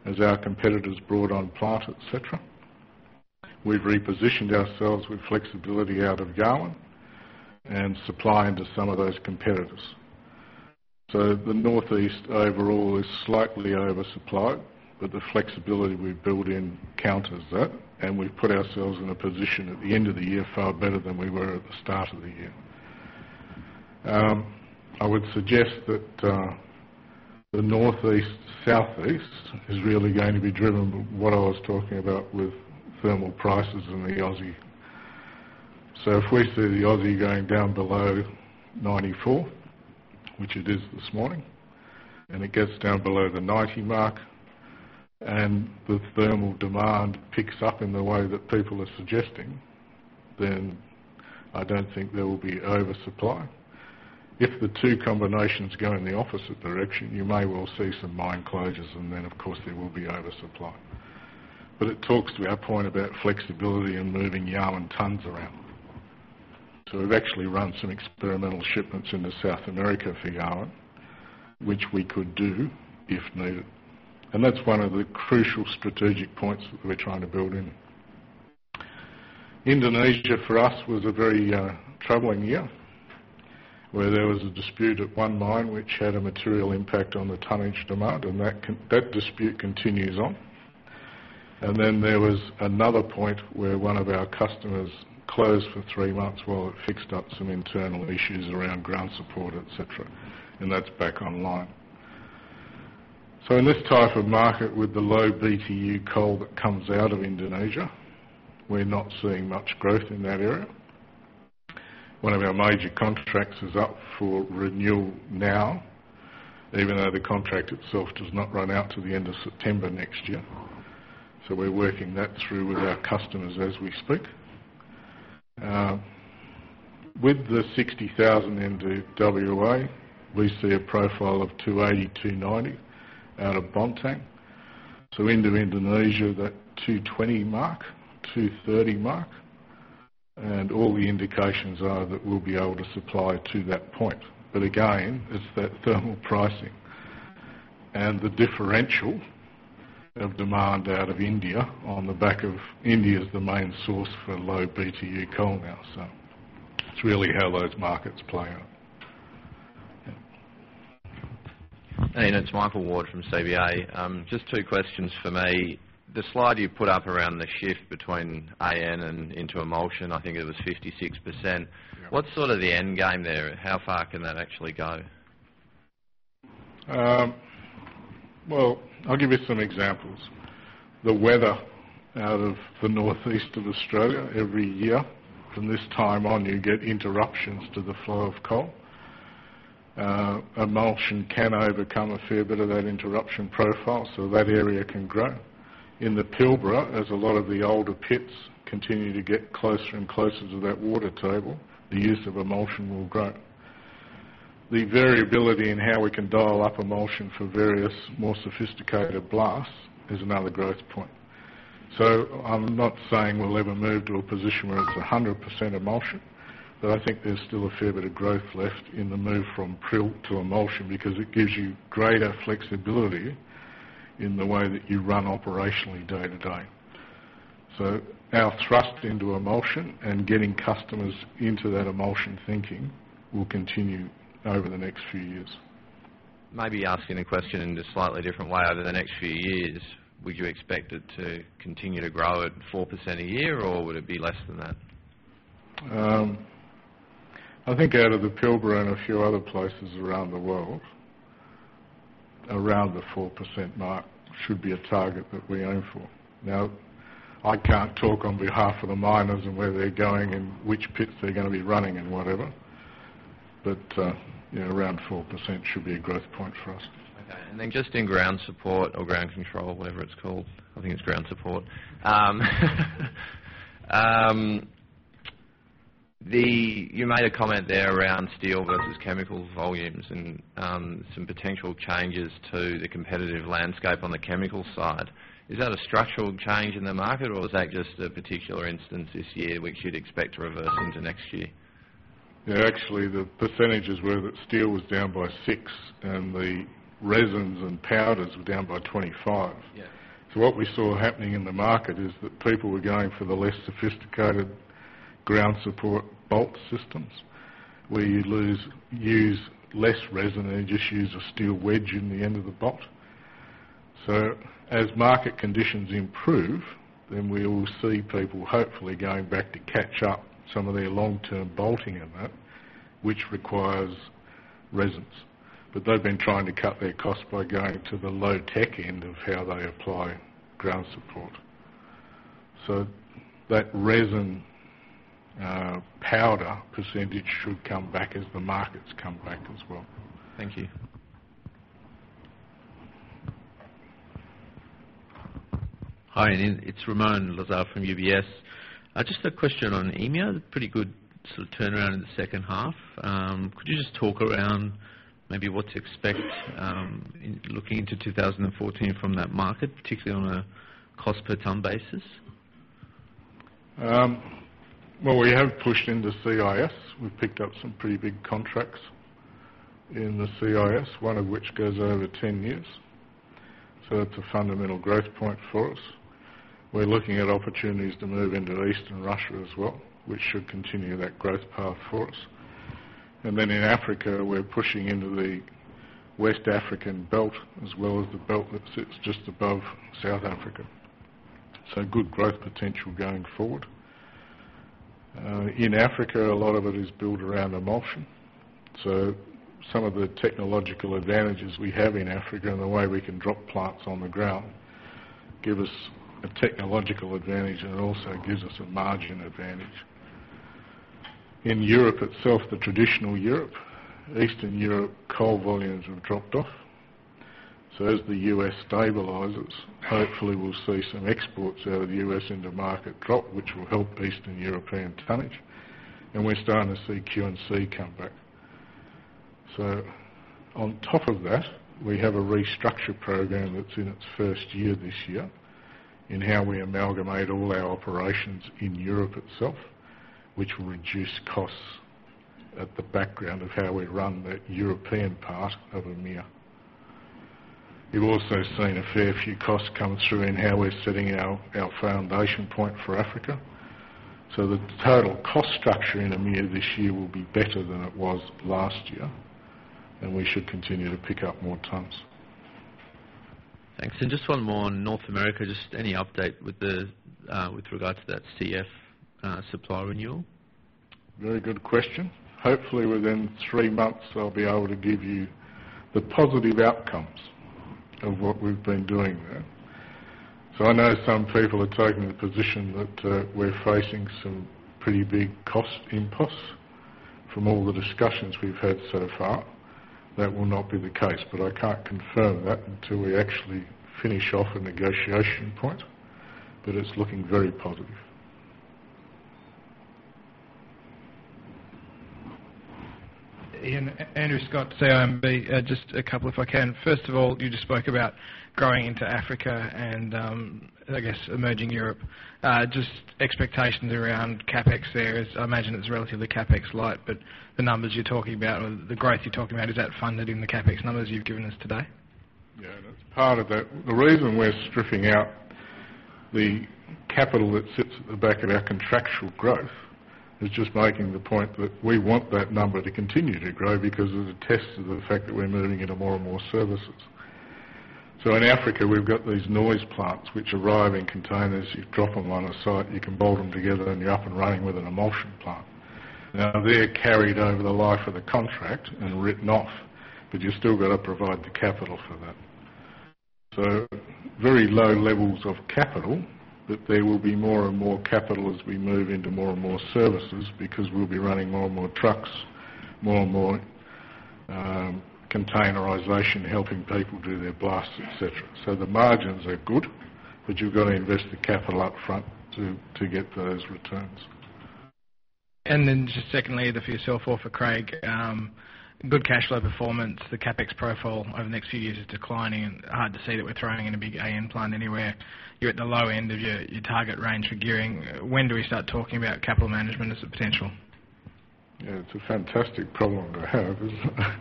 as our competitors brought on plant, et cetera. We've repositioned ourselves with flexibility out of Yarwun and supply into some of those competitors. The Northeast overall is slightly over-supplied, but the flexibility we've built in counters that, and we've put ourselves in a position at the end of the year far better than we were at the start of the year. I would suggest that the Northeast, Southeast is really going to be driven by what I was talking about with thermal prices and the Aussie. If we see the Aussie going down below 94, which it is this morning, and it gets down below the 90 mark and the thermal demand picks up in the way that people are suggesting, then I don't think there will be oversupply. If the two combinations go in the opposite direction, you may well see some mine closures and then of course there will be oversupply. It talks to our point about flexibility and moving Yarwun tons around. We've actually run some experimental shipments into South America for Yarwun, which we could do if needed. That's one of the crucial strategic points that we're trying to build in. Indonesia for us was a very troubling year, where there was a dispute at one mine which had a material impact on the tonnage demand, and that dispute continues on. There was another point where one of our customers closed for three months while it fixed up some internal issues around ground support, et cetera, and that's back online. In this type of market with the low BTU coal that comes out of Indonesia, we're not seeing much growth in that area. One of our major contracts is up for renewal now, even though the contract itself does not run out till the end of September next year. We're working that through with our customers as we speak. With the 60,000 into W.A., we see a profile of 280, 290 out of Bontang. Into Indonesia, that 220 mark, 230 mark. All the indications are that we'll be able to supply to that point. Again, it's that thermal pricing and the differential of demand out of India on the back of India as the main source for low BTU coal now. It's really how those markets play out. Ian, it's Michael Ward from CBA. Just two questions from me. The slide you put up around the shift between AN and into emulsion, I think it was 56%. Yeah. What's sort of the end game there? How far can that actually go? Well, I'll give you some examples. The weather out of the northeast of Australia every year from this time on, you get interruptions to the flow of coal. Emulsion can overcome a fair bit of that interruption profile, so that area can grow. In the Pilbara, as a lot of the older pits continue to get closer and closer to that water table, the use of Emulsion will grow. The variability in how we can dial up Emulsion for various more sophisticated blasts is another growth point. I'm not saying we'll ever move to a position where it's 100% Emulsion, but I think there's still a fair bit of growth left in the move from prill to Emulsion, because it gives you greater flexibility in the way that you run operationally day to day. Our thrust into Emulsion and getting customers into that Emulsion thinking will continue over the next few years. Maybe asking a question in a slightly different way. Over the next few years, would you expect it to continue to grow at 4% a year, or would it be less than that? I think out of the Pilbara and a few other places around the world, around the 4% mark should be a target that we aim for. I can't talk on behalf of the miners and where they're going and which pits they're going to be running and whatever. Around 4% should be a growth point for us. Okay. Just in ground support or ground control, whatever it's called. I think it's ground support. You made a comment there around steel versus chemical volumes and some potential changes to the competitive landscape on the chemical side. Is that a structural change in the market, or was that just a particular instance this year which you'd expect to reverse into next year? Yeah, actually, the percentages were that steel was down by 6% and the resins and powders were down by 25%. Yeah. What we saw happening in the market is that people were going for the less sophisticated ground support bolt systems where you'd use less resin and just use a steel wedge in the end of the bolt. As market conditions improve, then we will see people hopefully going back to catch up some of their long-term bolting and that, which requires resins. They've been trying to cut their costs by going to the low-tech end of how they apply ground support. That resin powder percentage should come back as the markets come back as well. Thank you. Hi, Ian. It's Ramon Lazar from UBS. A question on EMEA. Pretty good sort of turnaround in the second half. Could you just talk around maybe what to expect, looking into 2014 from that market, particularly on a cost per ton basis? Well, we have pushed into CIS. We've picked up some pretty big contracts in the CIS, one of which goes over 10 years. That's a fundamental growth point for us. We're looking at opportunities to move into Eastern Russia as well, which should continue that growth path for us. In Africa, we're pushing into the West African belt as well as the belt that sits just above South Africa. Good growth potential going forward. In Africa, a lot of it is built around emulsion. Some of the technological advantages we have in Africa and the way we can drop plants on the ground give us a technological advantage, and it also gives us a margin advantage. In Europe itself, the traditional Europe, Eastern Europe coal volumes have dropped off. As the U.S. stabilizes, hopefully we'll see some exports out of the U.S. into market drop, which will help Eastern European tonnage. We're starting to see Q&C come back. On top of that, we have a restructure program that's in its first year this year in how we amalgamate all our operations in Europe itself, which will reduce costs at the background of how we run that European part of EMEA. You've also seen a fair few costs come through in how we're setting our foundation point for Africa. The total cost structure in EMEA this year will be better than it was last year, and we should continue to pick up more tons. Thanks. Just one more on North America. Just any update with regards to that CF supply renewal? Very good question. Hopefully within three months, I'll be able to give you the positive outcomes of what we've been doing there. I know some people are taking the position that we're facing some pretty big cost impulse from all the discussions we've had so far. That will not be the case, but I can't confirm that until we actually finish off a negotiation point. It's looking very positive. Ian, Andrew Scott, CIMB. Just a couple if I can. First of all, you just spoke about growing into Africa and, I guess, emerging Europe. Just expectations around CapEx there, as I imagine it's relatively CapEx light, but the numbers you're talking about or the growth you're talking about, is that funded in the CapEx numbers you've given us today? Yeah, that's part of it. The reason we're stripping out the capital that sits at the back of our contractual growth is just making the point that we want that number to continue to grow because of the test of the fact that we're moving into more and more services. In Africa, we've got these NOISE plants which arrive in containers. You drop them on a site, you can bolt them together, and you're up and running with an emulsion plant. Now, they're carried over the life of the contract and written off, but you've still got to provide the capital for that. Very low levels of capital, but there will be more and more capital as we move into more and more services because we'll be running more and more trucks, more and more containerization, helping people do their blasts, et cetera. The margins are good, but you've got to invest the capital up front to get those returns. Just secondly, either for yourself or for Craig, good cash flow performance. The CapEx profile over the next few years is declining and hard to see that we're throwing in a big AN plant anywhere. You're at the low end of your target range for gearing. When do we start talking about capital management as a potential? Yeah, it's a fantastic problem to have, isn't it?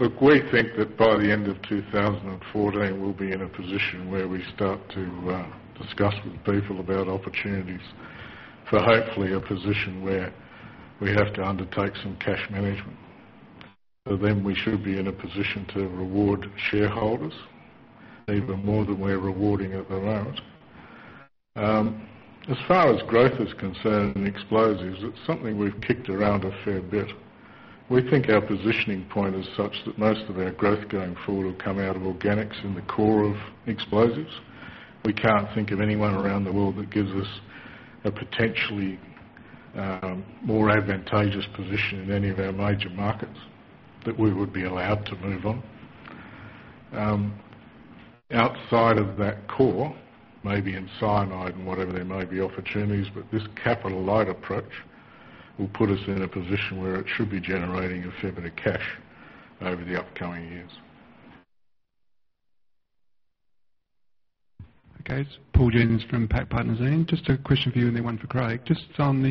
Look, we think that by the end of 2014, we'll be in a position where we start to discuss with people about opportunities for hopefully a position where we have to undertake some cash management. We should be in a position to reward shareholders even more than we're rewarding at the moment. As far as growth is concerned in explosives, it's something we've kicked around a fair bit. We think our positioning point is such that most of our growth going forward will come out of organics in the core of explosives. We can't think of anyone around the world that gives us a potentially more advantageous position in any of our major markets that we would be allowed to move on. Outside of that core, maybe in cyanide and whatever, there may be opportunities, but this capital-light approach will put us in a position where it should be generating a fair bit of cash over the upcoming years. Okay. It's Paul Jennings from PAC Partners. Ian, just a question for you and then one for Craig. Just on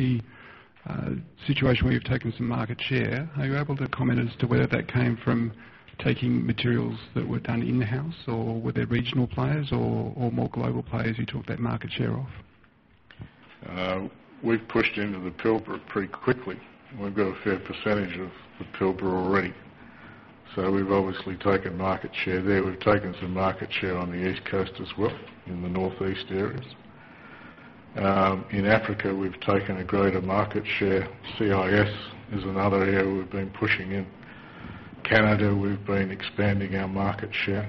the situation where you've taken some market share, are you able to comment as to whether that came from taking materials that were done in-house, or were there regional players or more global players you took that market share off? We've pushed into the Pilbara pretty quickly. We've got a fair percentage of the Pilbara already. We've obviously taken market share there. We've taken some market share on the East Coast as well, in the northeast areas. In Africa, we've taken a greater market share. CIS is another area we've been pushing in. Canada, we've been expanding our market share,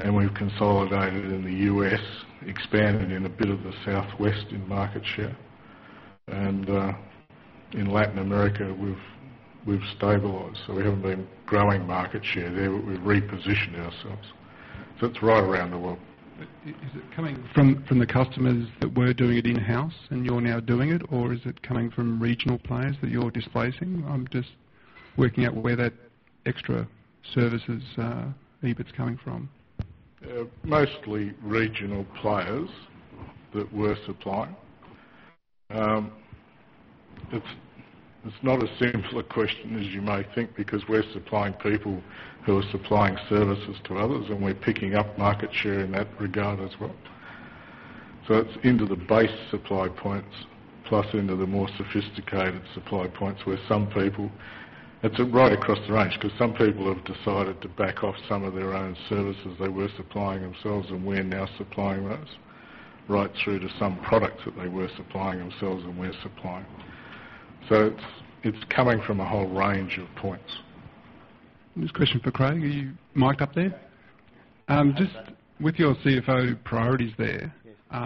and we've consolidated in the U.S., expanded in a bit of the Southwest in market share. In Latin America, we've stabilized. We haven't been growing market share there, but we've repositioned ourselves. It's right around the world. Is it coming from the customers that were doing it in-house and you're now doing it, or is it coming from regional players that you're displacing? I'm just working out where that extra services EBIT's coming from. Mostly regional players that we're supplying. It's not as simple a question as you may think because we're supplying people who are supplying services to others, and we're picking up market share in that regard as well. It's into the base supply points, plus into the more sophisticated supply points. It's right across the range because some people have decided to back off some of their own services they were supplying themselves, and we're now supplying those right through to some products that they were supplying themselves and we're supplying. It's coming from a whole range of points. This is a question for Craig. Are you miked up there? Yeah. How's that? Just with your CFO priorities there. Yes.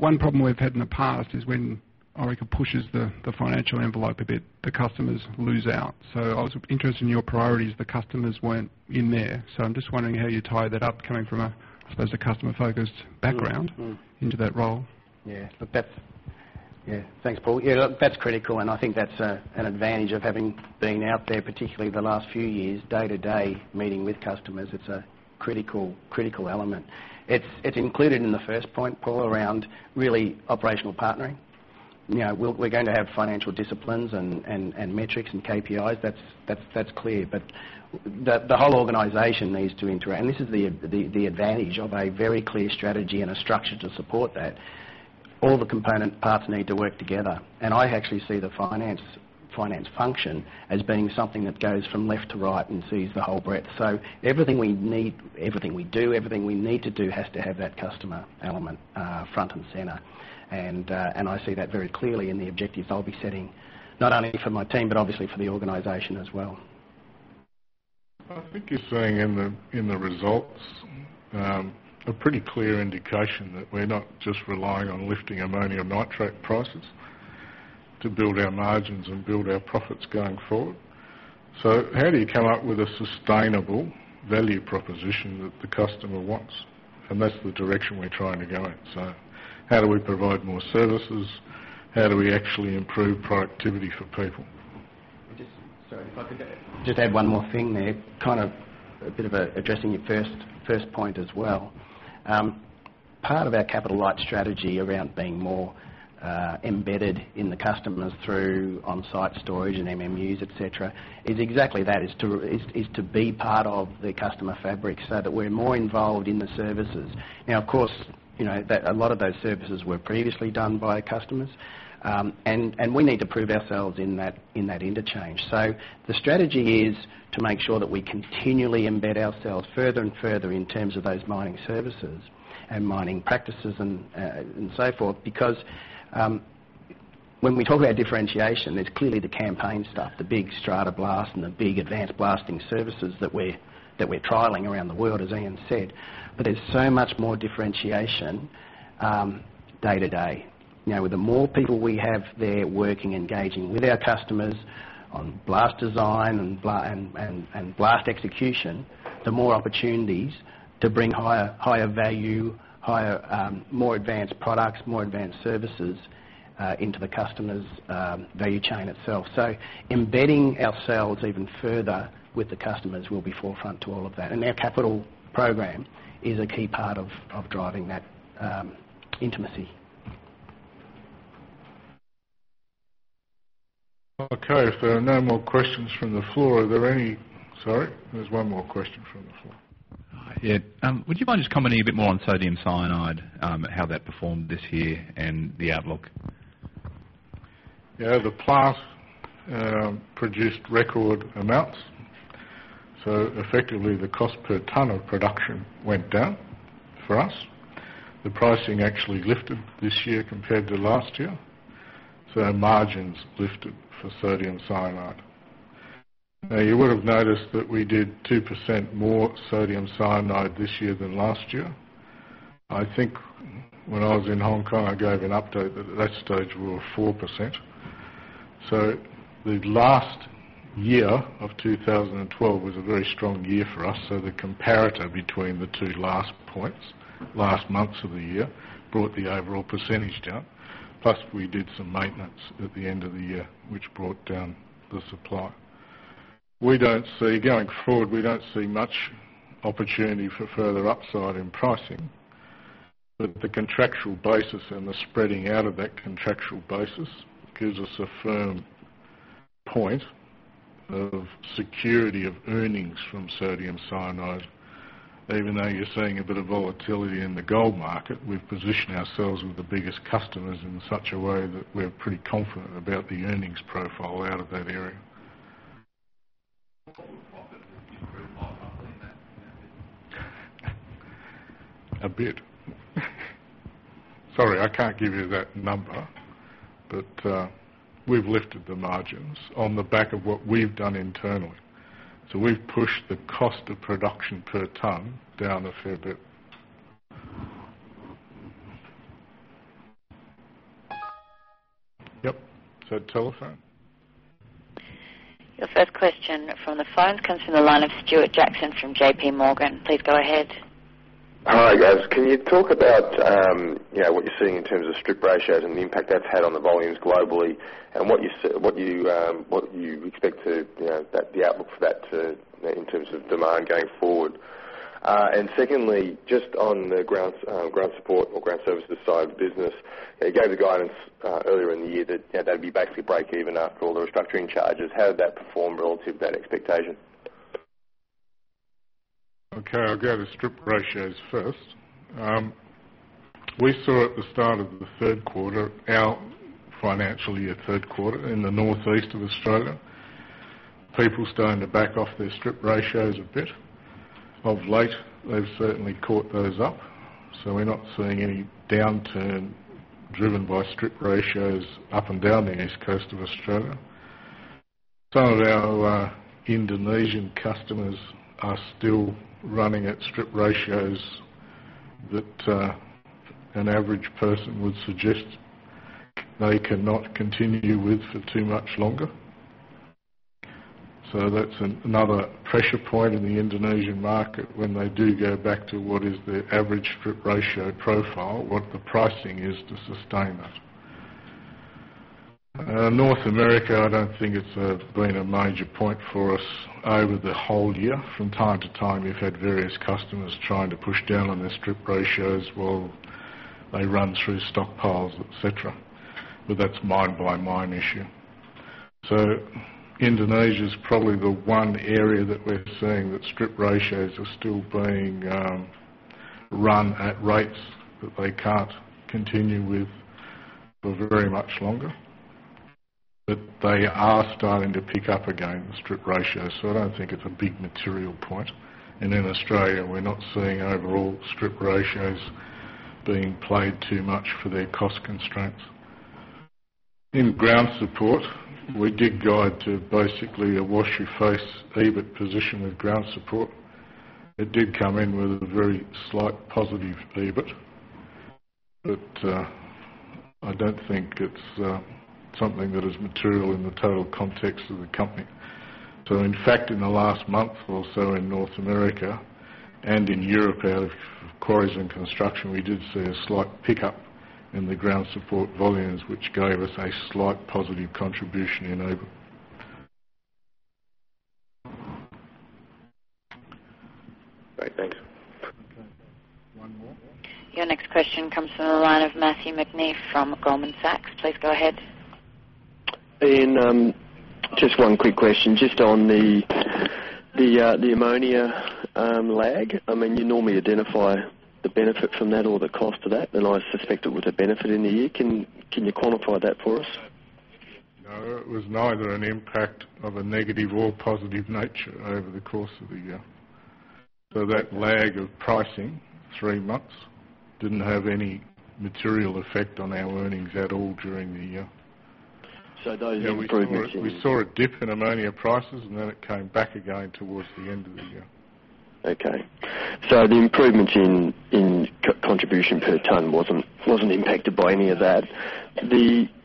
One problem we've had in the past is when Orica pushes the financial envelope a bit, the customers lose out. I was interested in your priorities. The customers weren't in there. I'm just wondering how you tie that up coming from a, I suppose, a customer-focused background into that role. Thanks, Paul. That's critical, and I think that's an advantage of having been out there, particularly the last few years, day to day, meeting with customers. It's a critical element. It's included in the first point, Paul, around really operational partnering. We're going to have financial disciplines and metrics and KPIs. That's clear. The whole organization needs to interact. This is the advantage of a very clear strategy and a structure to support that. All the component parts need to work together. I actually see the finance function as being something that goes from left to right and sees the whole breadth. Everything we do, everything we need to do has to have that customer element front and center. I see that very clearly in the objectives I'll be setting, not only for my team, but obviously for the organization as well. I think you're seeing in the results a pretty clear indication that we're not just relying on lifting ammonium nitrate prices to build our margins and build our profits going forward. How do you come up with a sustainable value proposition that the customer wants? That's the direction we're trying to go in. How do we provide more services? How do we actually improve productivity for people? Just Sorry, if I could just add one more thing there, a bit of addressing your first point as well. Part of our capital-light strategy around being more embedded in the customers through on-site storage and MMUs, et cetera, is exactly that, is to be part of the customer fabric so that we're more involved in the services. Of course, a lot of those services were previously done by customers. We need to prove ourselves in that interchange. The strategy is to make sure that we continually embed ourselves further and further in terms of those mining services and mining practices and so forth. When we talk about differentiation, there's clearly the campaign stuff, the big Strata Blast and the big advanced blasting services that we're trialing around the world, as Ian said. There's so much more differentiation day to day. The more people we have there working, engaging with our customers on blast design and blast execution, the more opportunities to bring higher value, more advanced products, more advanced services into the customer's value chain itself. Embedding ourselves even further with the customers will be forefront to all of that. Our capital program is a key part of driving that intimacy. Okay. If there are no more questions from the floor, Sorry, there's one more question from the floor. Yeah. Would you mind just commenting a bit more on sodium cyanide, how that performed this year and the outlook? Yeah. The plant produced record amounts. Effectively, the cost per ton of production went down for us. The pricing actually lifted this year compared to last year. Our margins lifted for sodium cyanide. You would've noticed that we did 2% more sodium cyanide this year than last year. I think when I was in Hong Kong, I gave an update that at that stage we were 4%. The last year of 2012 was a very strong year for us. The comparator between the two last points, last months of the year, brought the overall percentage down. We did some maintenance at the end of the year, which brought down the supply. Going forward, we don't see much opportunity for further upside in pricing. The contractual basis and the spreading out of that contractual basis gives us a firm point of security of earnings from sodium cyanide. Even though you're seeing a bit of volatility in the gold market, we've positioned ourselves with the biggest customers in such a way that we're pretty confident about the earnings profile out of that area. Total profit would be pretty high, I believe that bit. A bit. Sorry, I can't give you that number. We've lifted the margins on the back of what we've done internally. We've pushed the cost of production per ton down a fair bit. Yep. Is that telephone? Your first question from the phone comes from the line of Stuart Jackson from JP Morgan. Please go ahead. Hi, guys. Can you talk about what you're seeing in terms of strip ratios and the impact that's had on the volumes globally, and what you expect the outlook for that to in terms of demand going forward? Secondly, just on the ground support or ground services side of the business, you gave the guidance earlier in the year that that'd be basically break even after all the restructuring charges. How did that perform relative to that expectation? Okay, I'll go to strip ratios first. We saw at the start of the third quarter, our financial year third quarter in the northeast of Australia, people starting to back off their strip ratios a bit. Of late, they've certainly caught those up. We're not seeing any downturn driven by strip ratios up and down the east coast of Australia. Some of our Indonesian customers are still running at strip ratios that an average person would suggest they cannot continue with for too much longer. That's another pressure point in the Indonesian market when they do go back to what is their average strip ratio profile, what the pricing is to sustain that. North America, I don't think it's been a major point for us over the whole year. From time to time, we've had various customers trying to push down on their strip ratios while they run through stockpiles, et cetera. That's mine by mine issue. Indonesia's probably the one area that we're seeing that strip ratios are still being run at rates that they can't continue with for very much longer. They are starting to pick up again, the strip ratios, I don't think it's a big material point. In Australia, we're not seeing overall strip ratios being played too much for their cost constraints. In ground support, we did guide to basically a wash your face EBIT position with ground support. It did come in with a very slight positive EBIT, I don't think it's something that is material in the total context of the company. In fact, in the last month or so in North America and in Europe, out of Quarrying and Construction, we did see a slight pickup in the ground support volumes, which gave us a slight positive contribution in EBIT. Great. Thanks. Okay. One more. Your next question comes from the line of Matthew McNee from Goldman Sachs. Please go ahead. Ian, just one quick question. Just on the ammonia lag. You normally identify the benefit from that or the cost of that, and I suspect it was a benefit in the year. Can you quantify that for us? No, it was neither an impact of a negative or positive nature over the course of the year. That lag of pricing three months didn't have any material effect on our earnings at all during the year. Those improvements. We saw a dip in ammonia prices, and then it came back again towards the end of the year. Okay. The improvements in contribution per tonne wasn't impacted by any of that.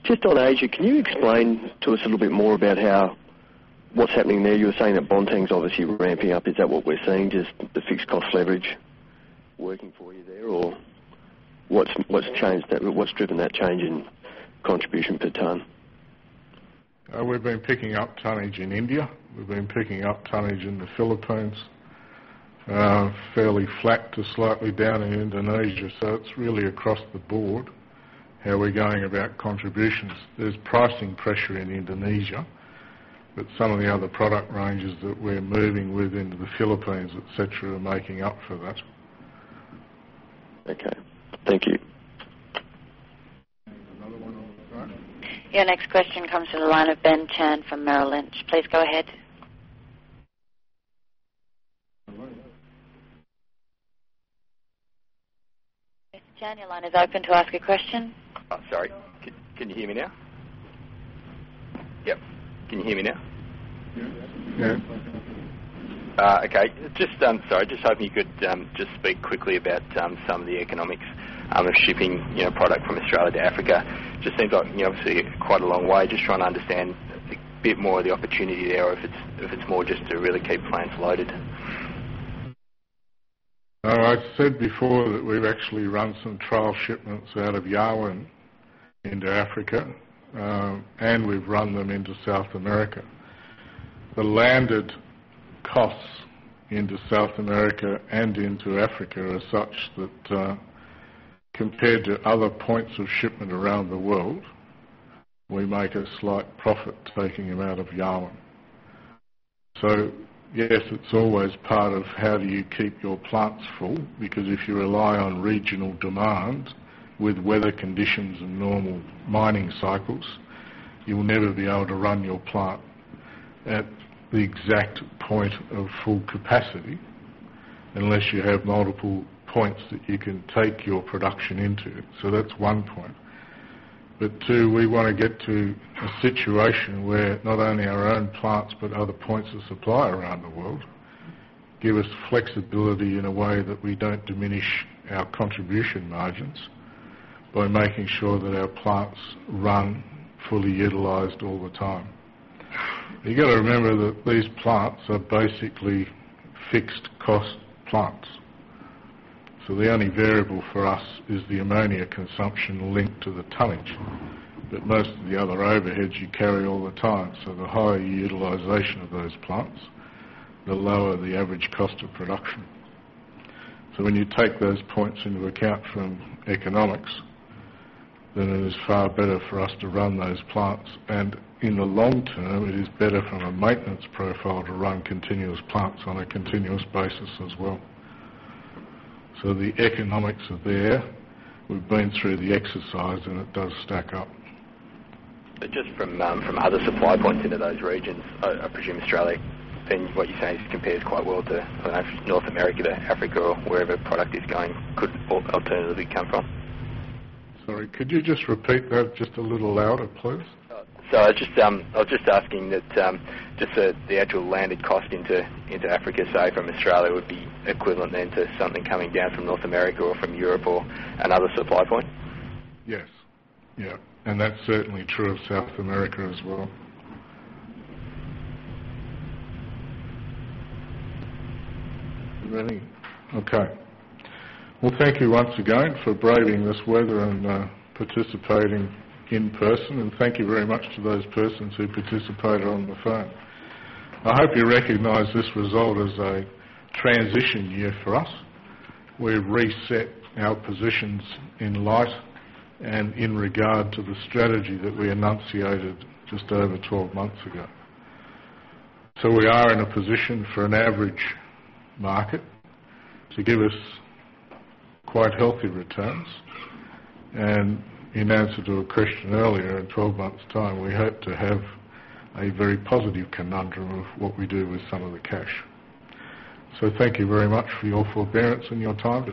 Just on Asia, can you explain to us a little bit more about what's happening there? You were saying that Bontang's obviously ramping up. Is that what we're seeing, just the fixed cost leverage working for you there? Or what's driven that change in contribution per tonne? We've been picking up tonnage in India. We've been picking up tonnage in the Philippines. Fairly flat to slightly down in Indonesia. It's really across the board how we're going about contributions. There's pricing pressure in Indonesia, but some of the other product ranges that we're moving with into the Philippines, et cetera, are making up for that. Okay. Thank you. Another one on the front end. Your next question comes to the line of Ben Chan from Merrill Lynch. Please go ahead. Mr. Chan, your line is open to ask a question. Sorry, can you hear me now? Yep. Can you hear me now? Yeah. Okay. Just hoping you could just speak quickly about some of the economics of shipping product from Australia to Africa. Just seems like, obviously, quite a long way. Just trying to understand a bit more of the opportunity there or if it's more just to really keep plants loaded. I said before that we've actually run some trial shipments out of Yarwun into Africa, and we've run them into South America. The landed costs into South America and into Africa are such that, compared to other points of shipment around the world, we make a slight profit taking them out of Yarwun. Yes, it's always part of how do you keep your plants full, because if you rely on regional demand with weather conditions and normal mining cycles, you will never be able to run your plant at the exact point of full capacity unless you have multiple points that you can take your production into. That's one point. Two, we want to get to a situation where not only our own plants, but other points of supply around the world give us flexibility in a way that we don't diminish our contribution margins by making sure that our plants run fully utilized all the time. You got to remember that these plants are basically fixed-cost plants. The only variable for us is the ammonia consumption linked to the tonnage, but most of the other overheads you carry all the time. The higher utilization of those plants, the lower the average cost of production. When you take those points into account from economics, then it is far better for us to run those plants. In the long term, it is better from a maintenance profile to run continuous plants on a continuous basis as well. The economics are there. We've been through the exercise, and it does stack up. From other supply points into those regions, I presume Australia, then what you're saying is compares quite well to North America, to Africa or wherever product is going could alternatively come from. Sorry, could you just repeat that just a little louder, please? Sorry. I was just asking that just the actual landed cost into Africa, say from Australia, would be equivalent then to something coming down from North America or from Europe or another supply point? Yes. That's certainly true of South America as well. Are there any? Okay. Thank you once again for braving this weather and participating in person, and thank you very much to those persons who participated on the phone. I hope you recognize this result as a transition year for us. We've reset our positions in light and in regard to the strategy that we enunciated just over 12 months ago. We are in a position for an average market to give us quite healthy returns. In answer to a question earlier, in 12 months' time, we hope to have a very positive conundrum of what we do with some of the cash. Thank you very much for your forbearance and your time.